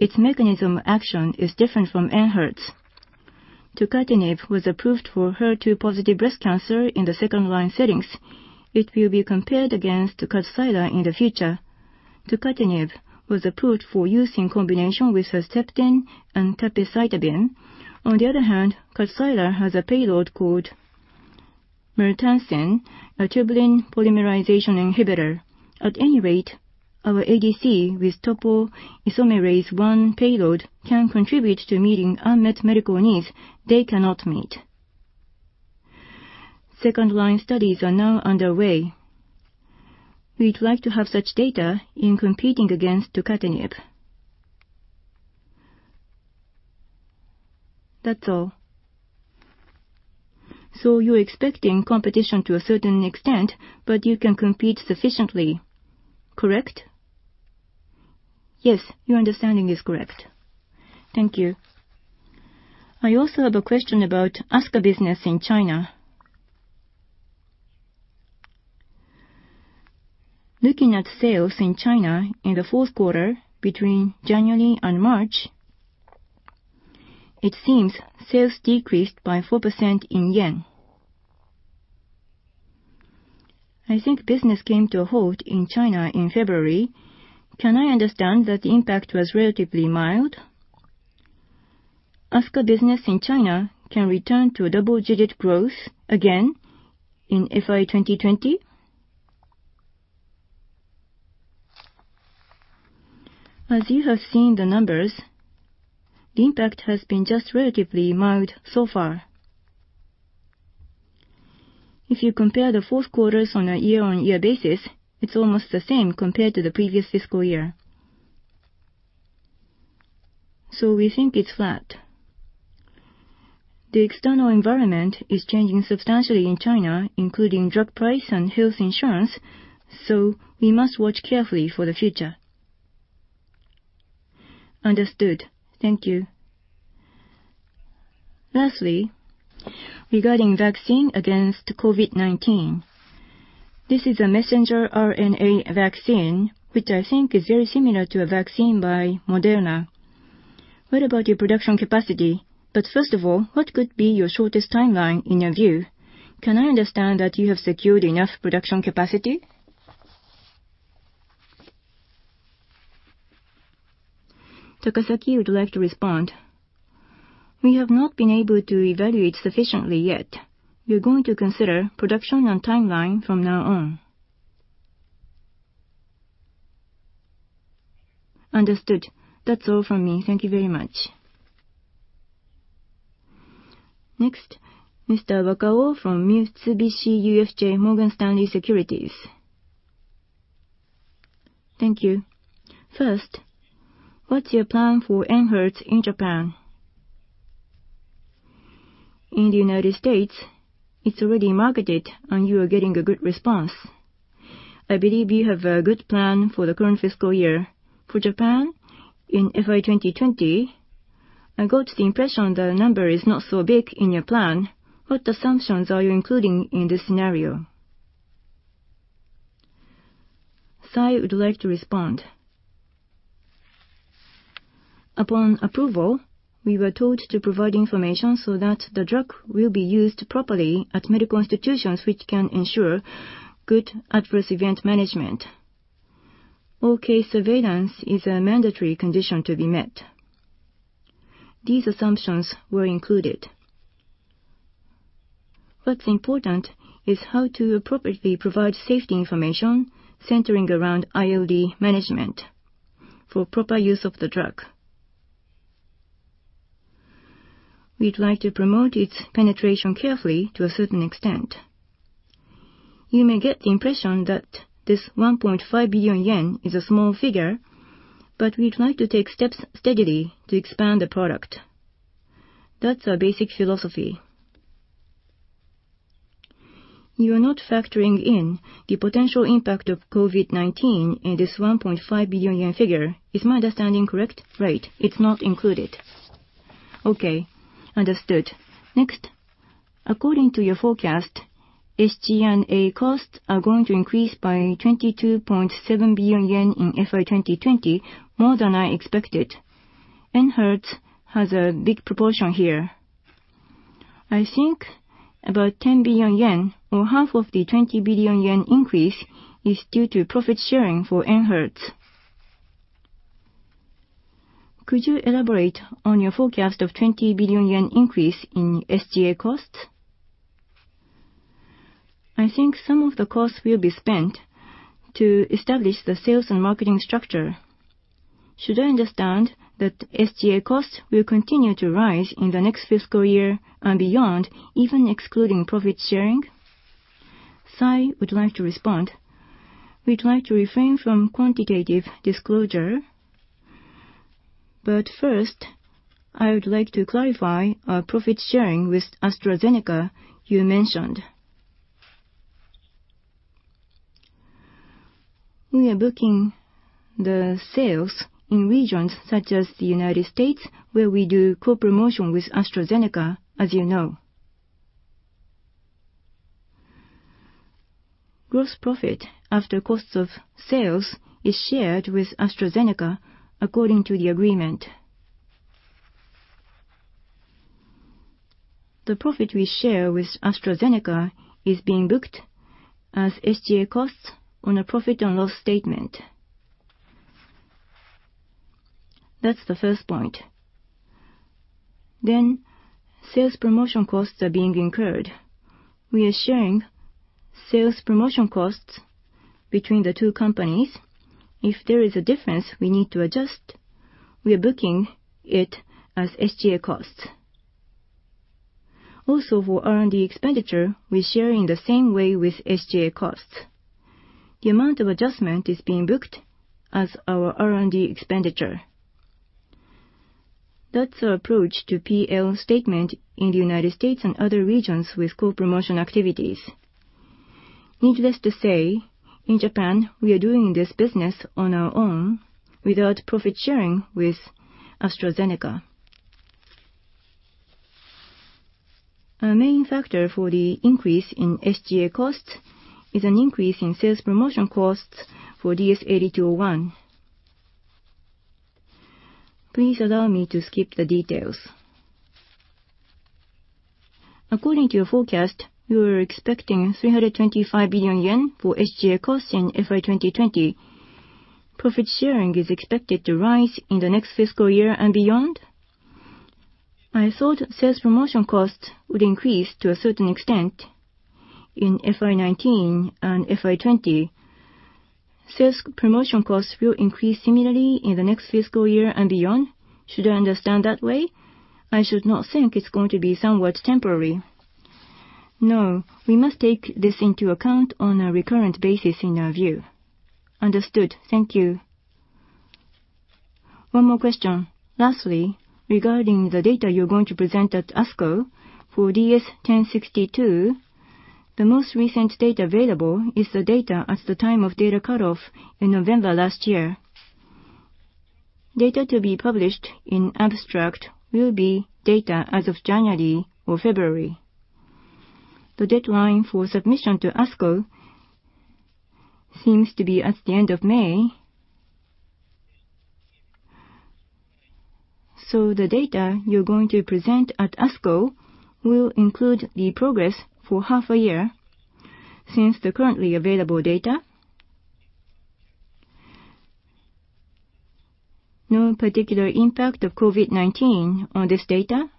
Its mechanism action is different from ENHERTU. Tucatinib was approved for HER2-positive breast cancer in the second-line settings. It will be compared against KADCYLA in the future. Tucatinib was approved for use in combination with Herceptin and capecitabine. On the other hand, KADCYLA has a payload called emtansine, a tubulin polymerization inhibitor. At any rate, our ADC with topoisomerase-1 payload can contribute to meeting unmet medical needs they cannot meet. Second-line studies are now underway. We'd like to have such data in competing against Tucatinib. That's all. You're expecting competition to a certain extent, but you can compete sufficiently. Correct? Yes, your understanding is correct. Thank you. I also have a question about ASCA business in China. Looking at sales in China in the fourth quarter between January and March, it seems sales decreased by 4% in JPY. I think business came to a halt in China in February. Can I understand that the impact was relatively mild? ASCA business in China can return to double-digit growth again in FY 2020? As you have seen the numbers, the impact has been just relatively mild so far. If you compare the fourth quarters on a year-on-year basis, it's almost the same compared to the previous fiscal year. We think it's flat. The external environment is changing substantially in China, including drug price and health insurance, so we must watch carefully for the future. Understood. Thank you. Lastly, regarding vaccine against COVID-19. This is a messenger RNA vaccine, which I think is very similar to a vaccine by Moderna. What about your production capacity? First of all, what could be your shortest timeline in your view? Can I understand that you have secured enough production capacity? Takasaki would like to respond. We have not been able to evaluate sufficiently yet. We are going to consider production and timeline from now on. Understood. That's all from me. Thank you very much. Next, Mr. Wakao from Mitsubishi UFJ Morgan Stanley Securities. Thank you. First, what's your plan for ENHRTU in Japan? In the U.S., it's already marketed and you are getting a good response. I believe you have a good plan for the current fiscal year. For Japan in FY 2020, I got the impression the number is not so big in your plan. What assumptions are you including in this scenario? Sai would like to respond. Upon approval, we were told to provide information so that the drug will be used properly at medical institutions which can ensure good adverse event management. All case surveillance is a mandatory condition to be met. These assumptions were included. What's important is how to appropriately provide safety information centering around ILD management for proper use of the drug. We'd like to promote its penetration carefully to a certain extent. You may get the impression that this 1.5 billion yen is a small figure, but we'd like to take steps steadily to expand the product. That's our basic philosophy. You are not factoring in the potential impact of COVID-19 in this 1.5 billion yen figure. Is my understanding correct? Right. It's not included. Okay. Understood. Next, according to your forecast, SG&A costs are going to increase by 22.7 billion yen in FY 2020, more than I expected. ENHERTU has a big proportion here. I think about 10 billion yen, or half of the 20 billion yen increase, is due to profit sharing for ENHERTU. Could you elaborate on your forecast of 20 billion yen increase in SG&A costs? I think some of the costs will be spent to establish the sales and marketing structure. Should I understand that SG&A costs will continue to rise in the next fiscal year and beyond, even excluding profit sharing? Sai would like to respond. We'd like to refrain from quantitative disclosure. First, I would like to clarify our profit sharing with AstraZeneca you mentioned. We are booking the sales in regions such as the U.S., where we do co-promotion with AstraZeneca, as you know. Gross profit after costs of sales is shared with AstraZeneca according to the agreement. The profit we share with AstraZeneca is being booked as SG&A costs on a profit and loss statement. That's the first point. Sales promotion costs are being incurred. We are sharing sales promotion costs between the two companies. If there is a difference we need to adjust, we are booking it as SG&A costs. For R&D expenditure, we share in the same way with SG&A costs. The amount of adjustment is being booked as our R&D expenditure. That's our approach to P&L statement in the U.S. and other regions with co-promotion activities. Needless to say, in Japan, we are doing this business on our own without profit sharing with AstraZeneca. Our main factor for the increase in SG&A costs is an increase in sales promotion costs for DS-8201. Please allow me to skip the details. According to your forecast, you are expecting 325 billion yen for SG&A costs in FY 2020. Profit sharing is expected to rise in the next fiscal year and beyond? I thought sales promotion costs would increase to a certain extent in FY 2019 and FY 2020. Sales promotion costs will increase similarly in the next fiscal year and beyond. Should I understand that way? I should not think it's going to be somewhat temporary. No, we must take this into account on a recurrent basis in our view. Understood. Thank you. One more question. Lastly, regarding the data you're going to present at ASCO for DS-1062, the most recent data available is the data at the time of data cutoff in November last year. Data to be published in abstract will be data as of January or February. The deadline for submission to ASCO seems to be at the end of May. The data you're going to present at ASCO will include the progress for half a year since the currently available data. No particular impact of COVID-19 on this data?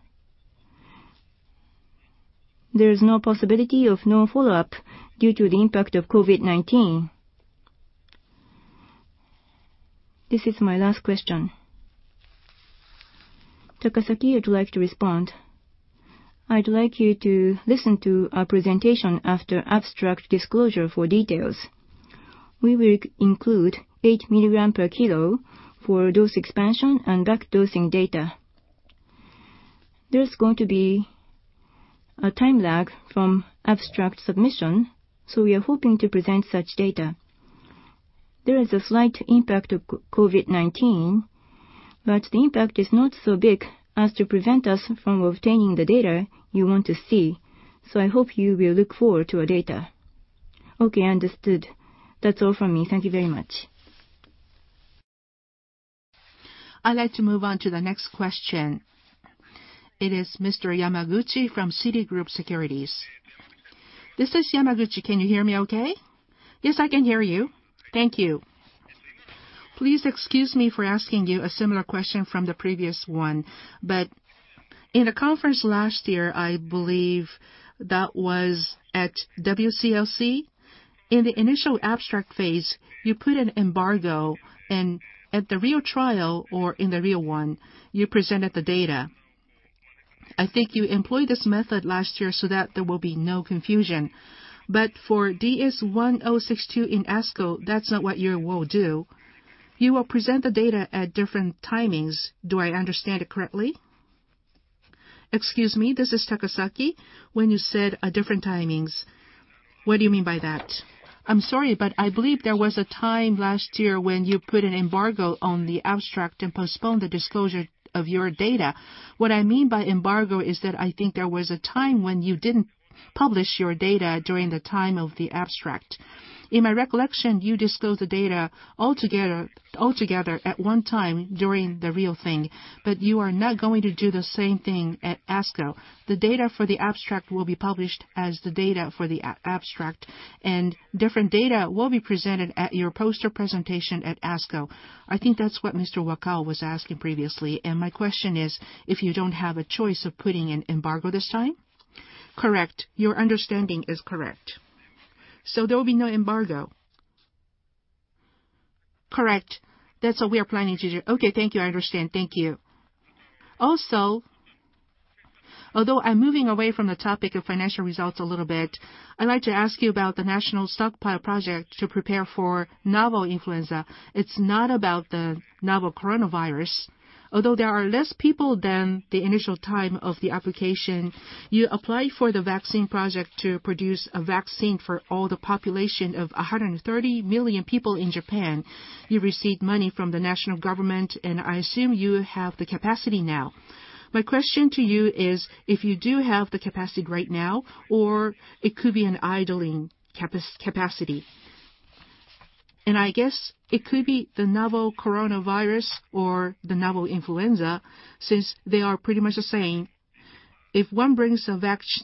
There is no possibility of no follow-up due to the impact of COVID-19. This is my last question. Takasaki would like to respond. I'd like you to listen to our presentation after abstract disclosure for details. We will include eight milligram per kilo for dose expansion and back-dosing data. There's going to be a time lag from abstract submission, we are hoping to present such data. There is a slight impact of COVID-19, the impact is not so big as to prevent us from obtaining the data you want to see. I hope you will look forward to our data. Okay, understood. That's all from me. Thank you very much. I'd like to move on to the next question. It is Mr. Yamaguchi from Citigroup Securities. This is Yamaguchi. Can you hear me okay? Yes, I can hear you. Thank you. Please excuse me for asking you a similar question from the previous one. In a conference last year, I believe that was at WCLC, in the initial abstract phase, you put an embargo and at the real trial or in the real one, you presented the data. I think you employed this method last year so that there will be no confusion. For DS-1062 in ASCO, that's not what you will do. You will present the data at different timings. Do I understand it correctly? Excuse me, this is Takasaki. When you said different timings, what do you mean by that? I'm sorry, I believe there was a time last year when you put an embargo on the abstract and postponed the disclosure of your data. What I mean by embargo is that I think there was a time when you didn't publish your data during the time of the abstract. In my recollection, you disclosed the data altogether at one time during the real thing, but you are not going to do the same thing at ASCO. The data for the abstract will be published as the data for the abstract, and different data will be presented at your poster presentation at ASCO. I think that's what Mr. Wakao was asking previously. My question is, if you don't have a choice of putting an embargo this time? Correct. Your understanding is correct. There will be no embargo? Correct. That's what we are planning to do. Okay, thank you. I understand. Thank you. Although I'm moving away from the topic of financial results a little bit, I'd like to ask you about the National Stockpile Project to prepare for novel influenza. It's not about the novel coronavirus. Although there are less people than the initial time of the application, you apply for the vaccine project to produce a vaccine for all the population of 130 million people in Japan. You received money from the national government, I assume you have the capacity now. My question to you is, if you do have the capacity right now, or it could be an idling capacity? I guess it could be the novel coronavirus or the novel influenza, since they are pretty much the same. If one brings a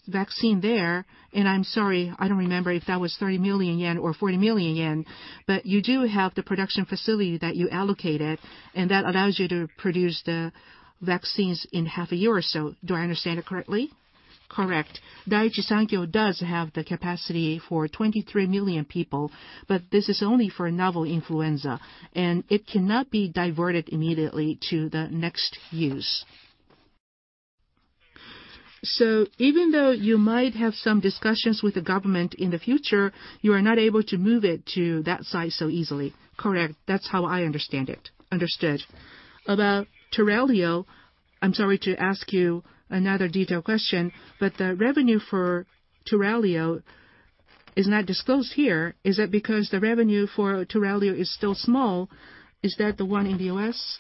vaccine there, and I'm sorry, I don't remember if that was 30 million yen or 40 million yen, but you do have the production facility that you allocated, and that allows you to produce the vaccines in half a year or so. Do I understand it correctly? Correct. Daiichi Sankyo does have the capacity for 23 million people, but this is only for novel influenza, and it cannot be diverted immediately to the next use. Even though you might have some discussions with the government in the future, you are not able to move it to that site so easily. Correct. That's how I understand it. Understood. About TURALIO, I'm sorry to ask you another detailed question, but the revenue for TURALIO is not disclosed here. Is it because the revenue for TURALIO is still small? Is that the one in the U.S.?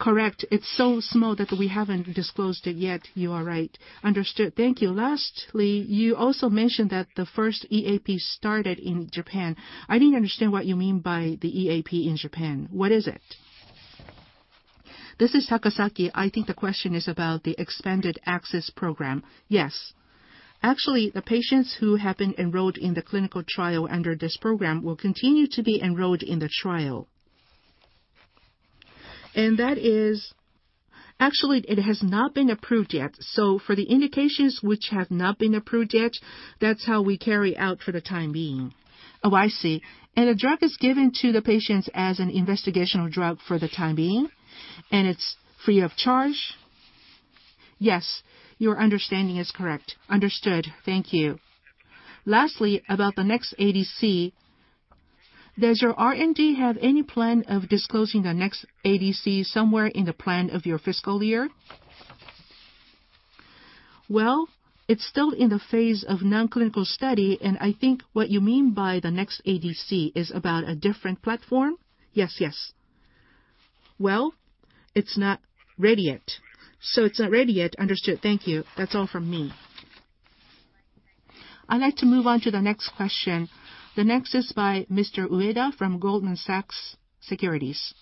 Correct. It's so small that we haven't disclosed it yet. You are right. Understood. Thank you. Lastly, you also mentioned that the first EAP started in Japan. I didn't understand what you mean by the EAP in Japan. What is it? This is Takasaki. I think the question is about the expanded access program. Yes. Actually, the patients who have been enrolled in the clinical trial under this program will continue to be enrolled in the trial. Actually, it has not been approved yet, so for the indications which have not been approved yet, that's how we carry out for the time being. Oh, I see. The drug is given to the patients as an investigational drug for the time being? It's free of charge? Yes, your understanding is correct. Understood. Thank you. Lastly, about the next ADC, does your R&D have any plan of disclosing the next ADC somewhere in the plan of your fiscal year? Well, it's still in the phase of non-clinical study, and I think what you mean by the next ADC is about a different platform? Yes, yes. Well, it's not ready yet. It's not ready yet. Understood. Thank you. That's all from me. I'd like to move on to the next question. The next is by Mr. Ueda from Goldman Sachs Securities.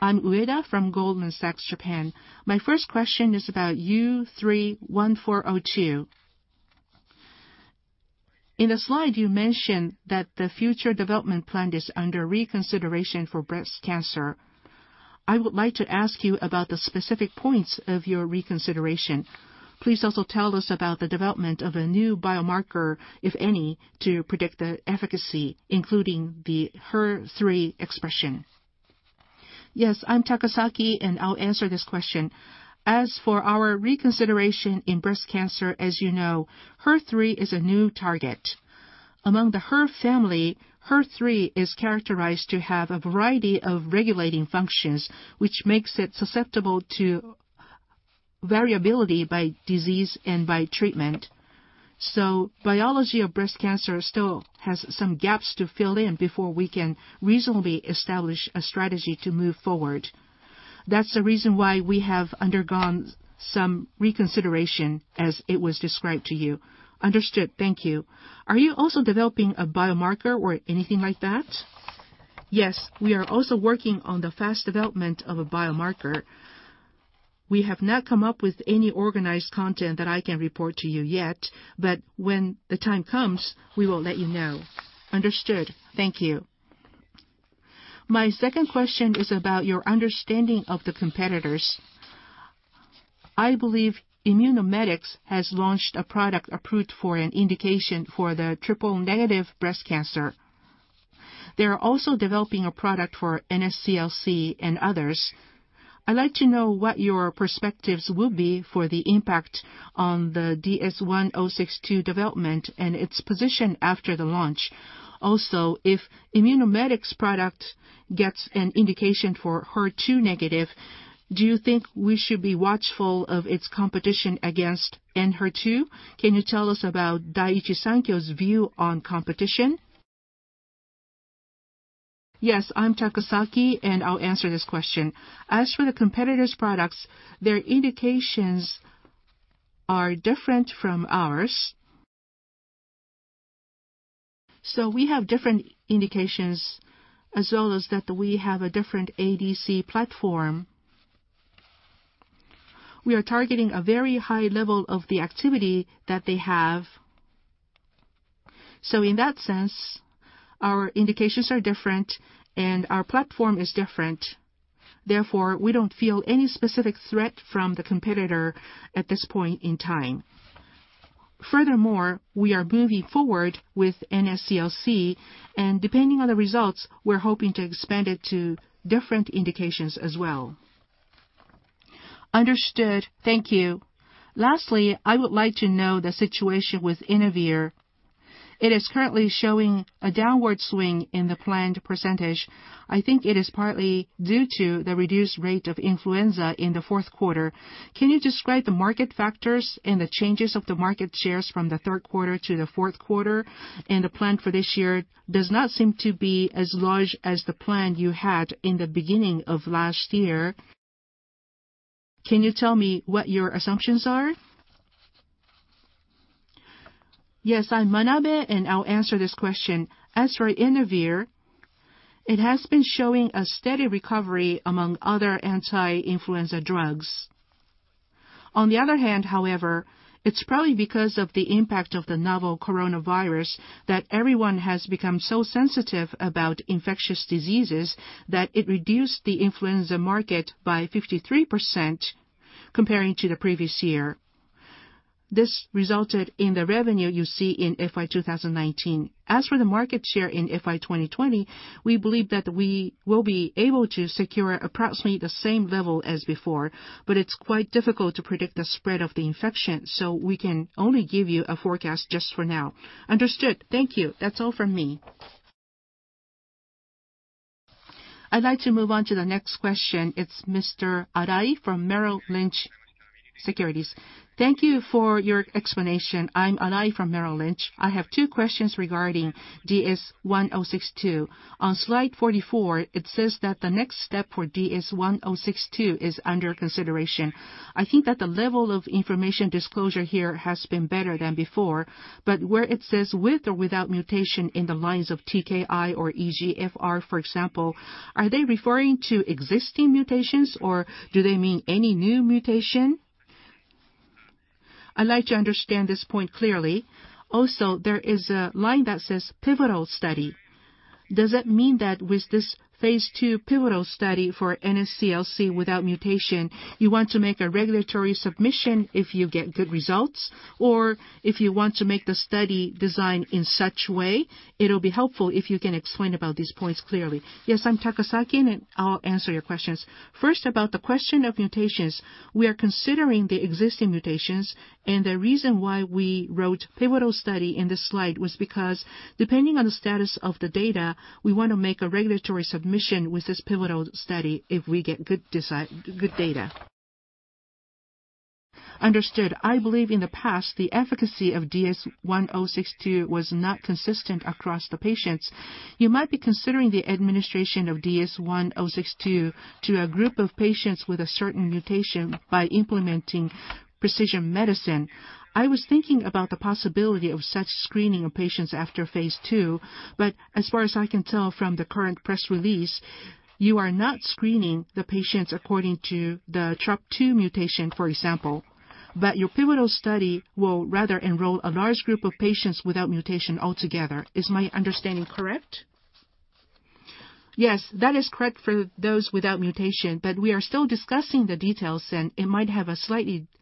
I'm Ueda from Goldman Sachs Japan. My first question is about U3-1402. In the slide, you mentioned that the future development plan is under reconsideration for breast cancer. I would like to ask you about the specific points of your reconsideration. Please also tell us about the development of a new biomarker, if any, to predict the efficacy, including the HER3 expression. Yes, I'm Takasaki, and I'll answer this question. As for our reconsideration in breast cancer, as you know, HER3 is a new target. Among the HER family, HER3 is characterized to have a variety of regulating functions, which makes it susceptible to variability by disease and by treatment. Biology of breast cancer still has some gaps to fill in before we can reasonably establish a strategy to move forward. That's the reason why we have undergone some reconsideration as it was described to you. Understood. Thank you. Are you also developing a biomarker or anything like that? Yes. We are also working on the fast development of a biomarker. We have not come up with any organized content that I can report to you yet, when the time comes, we will let you know. Understood. Thank you. My second question is about your understanding of the competitors. I believe Immunomedics has launched a product approved for an indication for the triple-negative breast cancer. They are also developing a product for NSCLC and others. I'd like to know what your perspectives will be for the impact on the DS-1062 development and its position after the launch? If Immunomedics product gets an indication for HER2-negative, do you think we should be watchful of its competition against ENHERTU? Can you tell us about Daiichi Sankyo's view on competition? Yes, I'm Takasaki, and I'll answer this question. As for the competitor's products, their indications are different from ours. We have different indications as well as that we have a different ADC platform. We are targeting a very high level of the activity that they have. In that sense, our indications are different, and our platform is different. We don't feel any specific threat from the competitor at this point in time. We are moving forward with NSCLC, and depending on the results, we're hoping to expand it to different indications as well. Understood. Thank you. Lastly, I would like to know the situation with INAVIR. It is currently showing a downward swing in the planned percentage. I think it is partly due to the reduced rate of influenza in the fourth quarter. Can you describe the market factors and the changes of the market shares from the third quarter to the fourth quarter? The plan for this year does not seem to be as large as the plan you had in the beginning of last year. Can you tell me what your assumptions are? Yes, I'm Manabe, and I'll answer this question. As for INAVIR, it has been showing a steady recovery among other anti-influenza drugs. On the other hand, however, it's probably because of the impact of the novel coronavirus that everyone has become so sensitive about infectious diseases that it reduced the influenza market by 53% comparing to the previous year. This resulted in the revenue you see in FY 2019. As for the market share in FY 2020, we believe that we will be able to secure approximately the same level as before, but it's quite difficult to predict the spread of the infection, so we can only give you a forecast just for now. Understood. Thank you. That's all from me. I'd like to move on to the next question. It's Mr. Arai from Merrill Lynch Securities. Thank you for your explanation. I'm Arai from Merrill Lynch. I have two questions regarding DS-1062. On slide 44, it says that the next step for DS-1062 is under consideration. I think that the level of information disclosure here has been better than before, where it says with or without mutation in the lines of TKI or EGFR, for example, are they referring to existing mutations, or do they mean any new mutation? I'd like to understand this point clearly. There is a line that says pivotal study. Does that mean that with this phase II pivotal study for NSCLC without mutation, you want to make a regulatory submission if you get good results, or if you want to make the study design in such way? It'll be helpful if you can explain about these points clearly. I'm Takasaki, and I'll answer your questions. First, about the question of mutations. We are considering the existing mutations, and the reason why we wrote pivotal study in this slide was because, depending on the status of the data, we want to make a regulatory submission with this pivotal study if we get good data. Understood. I believe in the past, the efficacy of DS-1062 was not consistent across the patients. You might be considering the administration of DS-1062 to a group of patients with a certain mutation by implementing precision medicine. I was thinking about the possibility of such screening of patients after phase II, but as far as I can tell from the current press release, you are not screening the patients according to the TROP2 mutation, for example. Your pivotal study will rather enroll a large group of patients without mutation altogether. Is my understanding correct? Yes, that is correct for those without mutation, but we are still discussing the details, and it might have a slightly different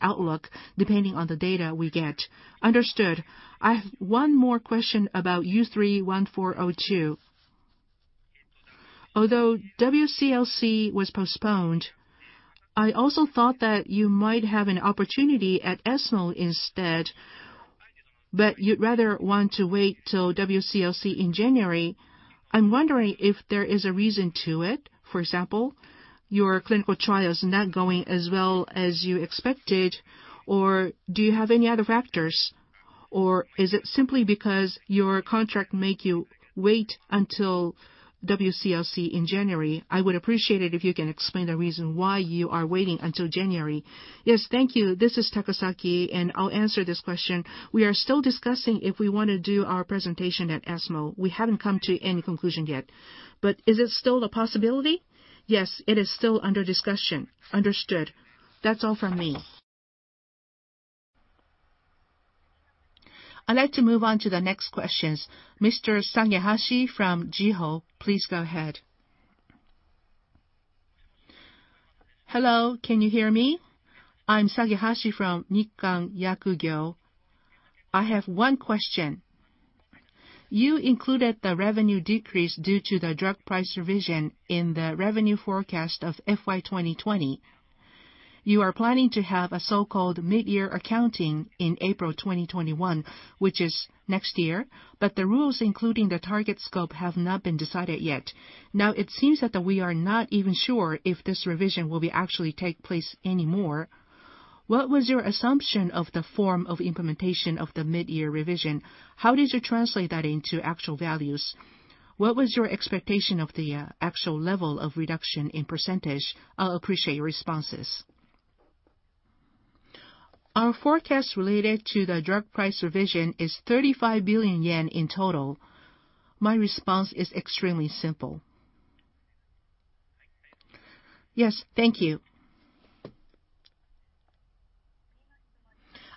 outlook depending on the data we get. Understood. I have one more question about U3-1402. Although WCLC was postponed, I also thought that you might have an opportunity at ESMO instead. You'd rather want to wait till WCLC in January. I'm wondering if there is a reason to it. For example, your clinical trial is not going as well as you expected, or do you have any other factors? Is it simply because your contract make you wait until WCLC in January? I would appreciate it if you can explain the reason why you are waiting until January. Yes. Thank you. This is Takasaki, and I'll answer this question. We are still discussing if we want to do our presentation at ESMO. We haven't come to any conclusion yet. Is it still a possibility? Yes, it is still under discussion. Understood. That's all from me. I'd like to move on to the next questions. Mr. Sagehashi from Jiho, please go ahead. Hello, can you hear me? I'm Sagehashi from Nikkan Yakugyo. I have one question. You included the revenue decrease due to the drug price revision in the revenue forecast of FY 2020. You are planning to have a so-called mid-year accounting in April 2021, which is next year, but the rules, including the target scope, have not been decided yet. Now it seems that we are not even sure if this revision will actually take place anymore. What was your assumption of the form of implementation of the mid-year revision? How did you translate that into actual values? What was your expectation of the actual level of reduction in percentage? I'll appreciate your responses. Our forecast related to the drug price revision is 35 billion yen in total. My response is extremely simple. Yes, thank you.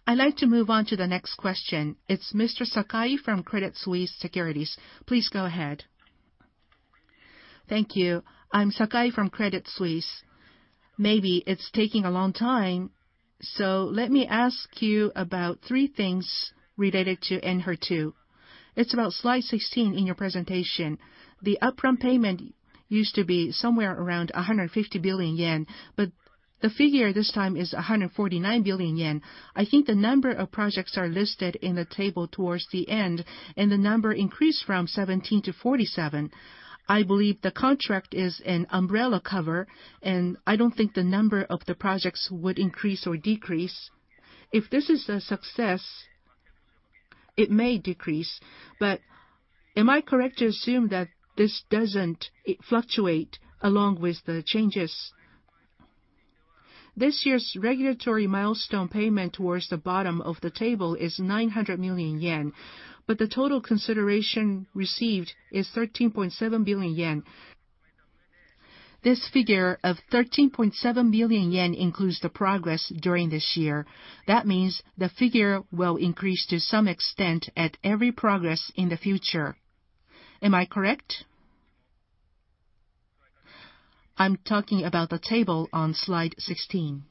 I'd like to move on to the next question. It's Mr. Sakai from Credit Suisse Securities. Please go ahead. Thank you. I'm Sakai from Credit Suisse. Maybe it's taking a long time, let me ask you about three things related to ENHERTU. It's about slide 16 in your presentation. The upfront payment used to be somewhere around 150 billion yen, the figure this time is 149 billion yen. I think the number of projects are listed in the table towards the end, the number increased from 17 to 47. I believe the contract is an umbrella cover, I don't think the number of the projects would increase or decrease. If this is a success, it may decrease. Am I correct to assume that this doesn't fluctuate along with the changes? This year's regulatory milestone payment towards the bottom of the table is 900 million yen, but the total consideration received is 13.7 billion yen. This figure of 13.7 billion yen includes the progress during this year. That means the figure will increase to some extent at every progress in the future. Am I correct? I'm talking about the table on slide 16.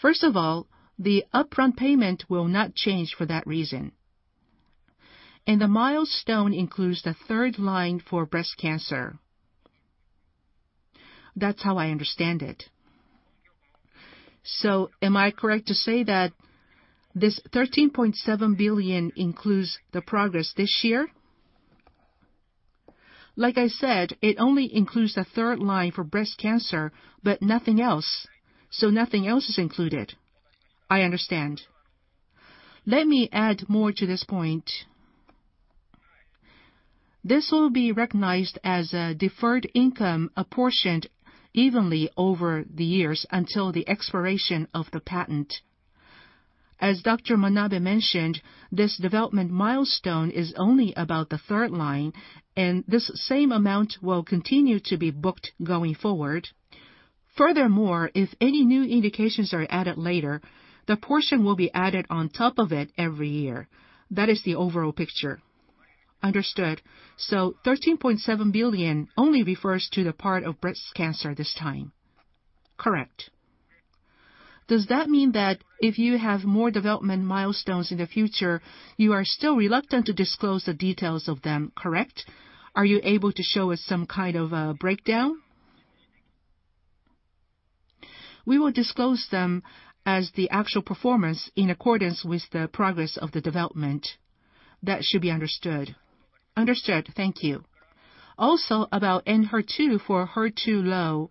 First of all, the upfront payment will not change for that reason. The milestone includes the third line for breast cancer. That's how I understand it. Am I correct to say that this 13.7 billion includes the progress this year? Like I said, it only includes the third line for breast cancer, but nothing else. Nothing else is included. I understand. Let me add more to this point. This will be recognized as a deferred income, apportioned evenly over the years until the expiration of the patent. As Dr. Manabe mentioned, this development milestone is only about the third line, and this same amount will continue to be booked going forward. Furthermore, if any new indications are added later, the portion will be added on top of it every year. That is the overall picture. Understood. 13.7 billion only refers to the part of breast cancer this time. Correct. Does that mean that if you have more development milestones in the future, you are still reluctant to disclose the details of them, correct? Are you able to show us some kind of a breakdown? We will disclose them as the actual performance in accordance with the progress of the development. That should be understood. Understood. Thank you. About ENHERTU for HER2-low.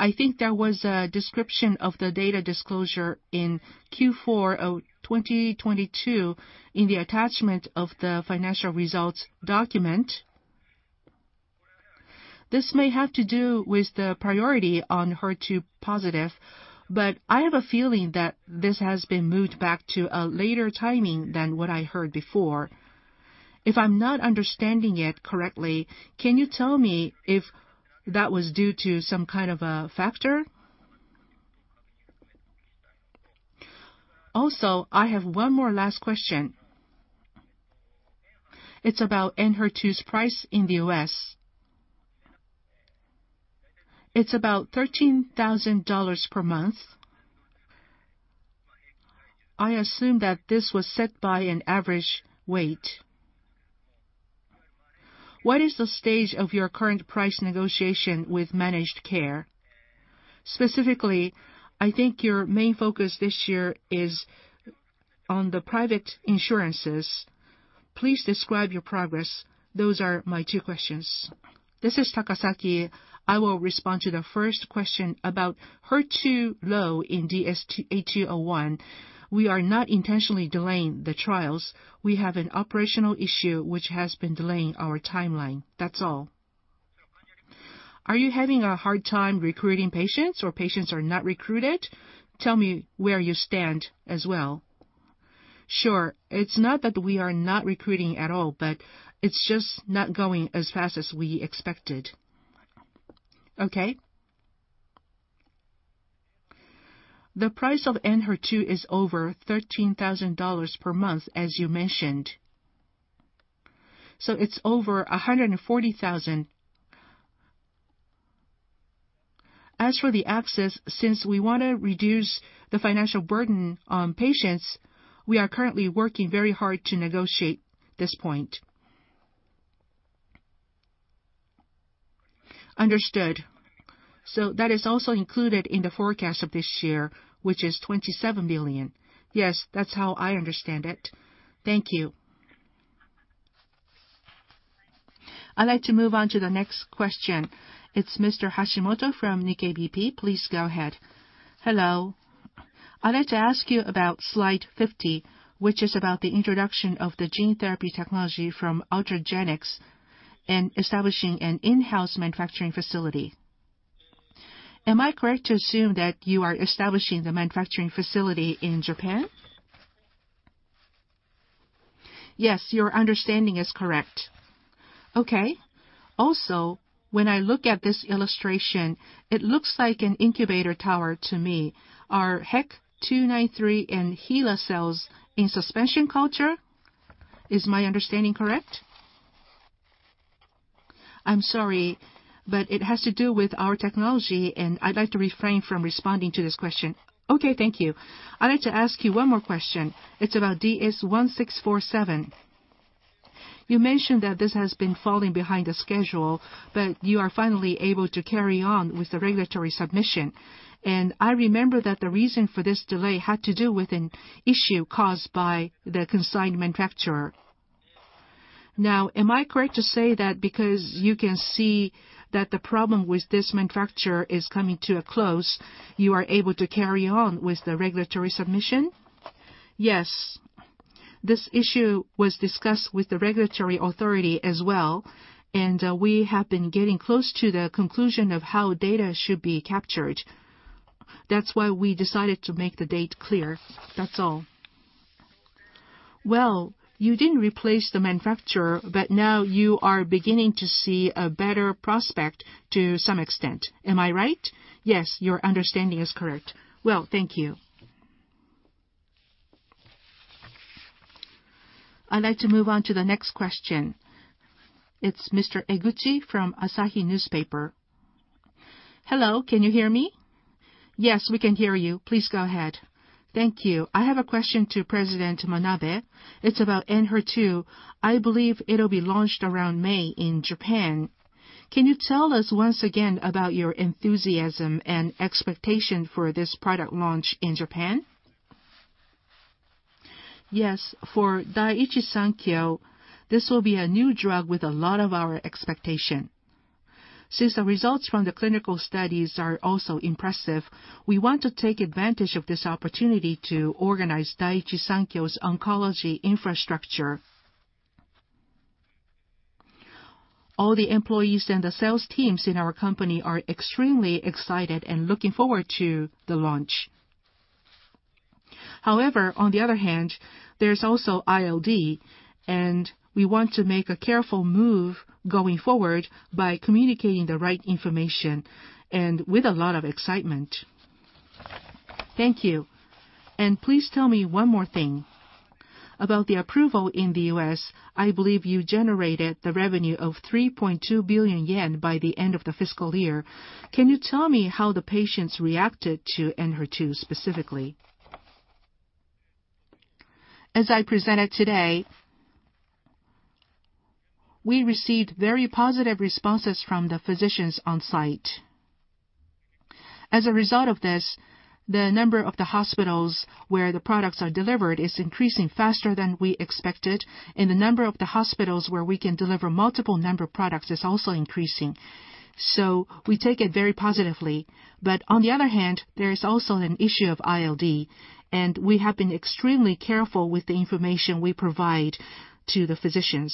I think there was a description of the data disclosure in Q4 of 2022 in the attachment of the financial results document. This may have to do with the priority on HER2-positive, but I have a feeling that this has been moved back to a later timing than what I heard before. If I'm not understanding it correctly, can you tell me if that was due to some kind of a factor? I have one more last question. It's about ENHERTU's price in the U.S. It's about $13,000 per month. I assume that this was set by an average weight. What is the stage of your current price negotiation with managed care? Specifically, I think your main focus this year is on the private insurances. Please describe your progress. Those are my two questions. This is Takasaki. I will respond to the first question about HER2-low in DS-8201. We are not intentionally delaying the trials. We have an operational issue which has been delaying our timeline. That's all. Are you having a hard time recruiting patients or patients are not recruited? Tell me where you stand as well. Sure. It's not that we are not recruiting at all, but it's just not going as fast as we expected. Okay. The price of ENHERTU is over $13,000 per month, as you mentioned. It's over $140,000. As for the access, since we want to reduce the financial burden on patients, we are currently working very hard to negotiate this point. Understood. That is also included in the forecast of this year, which is 27 billion. Yes, that's how I understand it. Thank you. I'd like to move on to the next question. Mr. Hashimoto from Nikkei BP. Please go ahead. Hello. I'd like to ask you about slide 50, which is about the introduction of the gene therapy technology from Ultragenyx and establishing an in-house manufacturing facility. Am I correct to assume that you are establishing the manufacturing facility in Japan? Yes, your understanding is correct. Okay. When I look at this illustration, it looks like an incubator tower to me. Are HEK293 and HeLa cells in suspension culture? Is my understanding correct? I'm sorry, but it has to do with our technology, and I'd like to refrain from responding to this question. Okay, thank you. I'd like to ask you one more question. It's about DS-1647. You mentioned that this has been falling behind the schedule, you are finally able to carry on with the regulatory submission. I remember that the reason for this delay had to do with an issue caused by the consigned manufacturer. Am I correct to say that because you can see that the problem with this manufacturer is coming to a close, you are able to carry on with the regulatory submission? Yes. This issue was discussed with the regulatory authority as well, and we have been getting close to the conclusion of how data should be captured. That's why we decided to make the date clear. That's all. Well, you didn't replace the manufacturer, but now you are beginning to see a better prospect to some extent. Am I right? Yes, your understanding is correct. Well, thank you. I'd like to move on to the next question. It's Mr. Ebuchi from Asahi Newspaper. Hello, can you hear me? Yes, we can hear you. Please go ahead. Thank you. I have a question to President Manabe. It's about ENHERTU. I believe it'll be launched around May in Japan. Can you tell us once again about your enthusiasm and expectation for this product launch in Japan? Yes. For Daiichi Sankyo, this will be a new drug with a lot of our expectation. Since the results from the clinical studies are also impressive, we want to take advantage of this opportunity to organize Daiichi Sankyo's oncology infrastructure. All the employees and the sales teams in our company are extremely excited and looking forward to the launch. On the other hand, there's also ILD, and we want to make a careful move going forward by communicating the right information and with a lot of excitement. Thank you. Please tell me one more thing about the approval in the U.S., I believe you generated the revenue of 3.2 billion yen by the end of the fiscal year. Can you tell me how the patients reacted to ENHERTU specifically? As I presented today, we received very positive responses from the physicians on-site. As a result of this, the number of the hospitals where the products are delivered is increasing faster than we expected, and the number of the hospitals where we can deliver multiple number of products is also increasing. We take it very positively. On the other hand, there is also an issue of ILD, and we have been extremely careful with the information we provide to the physicians.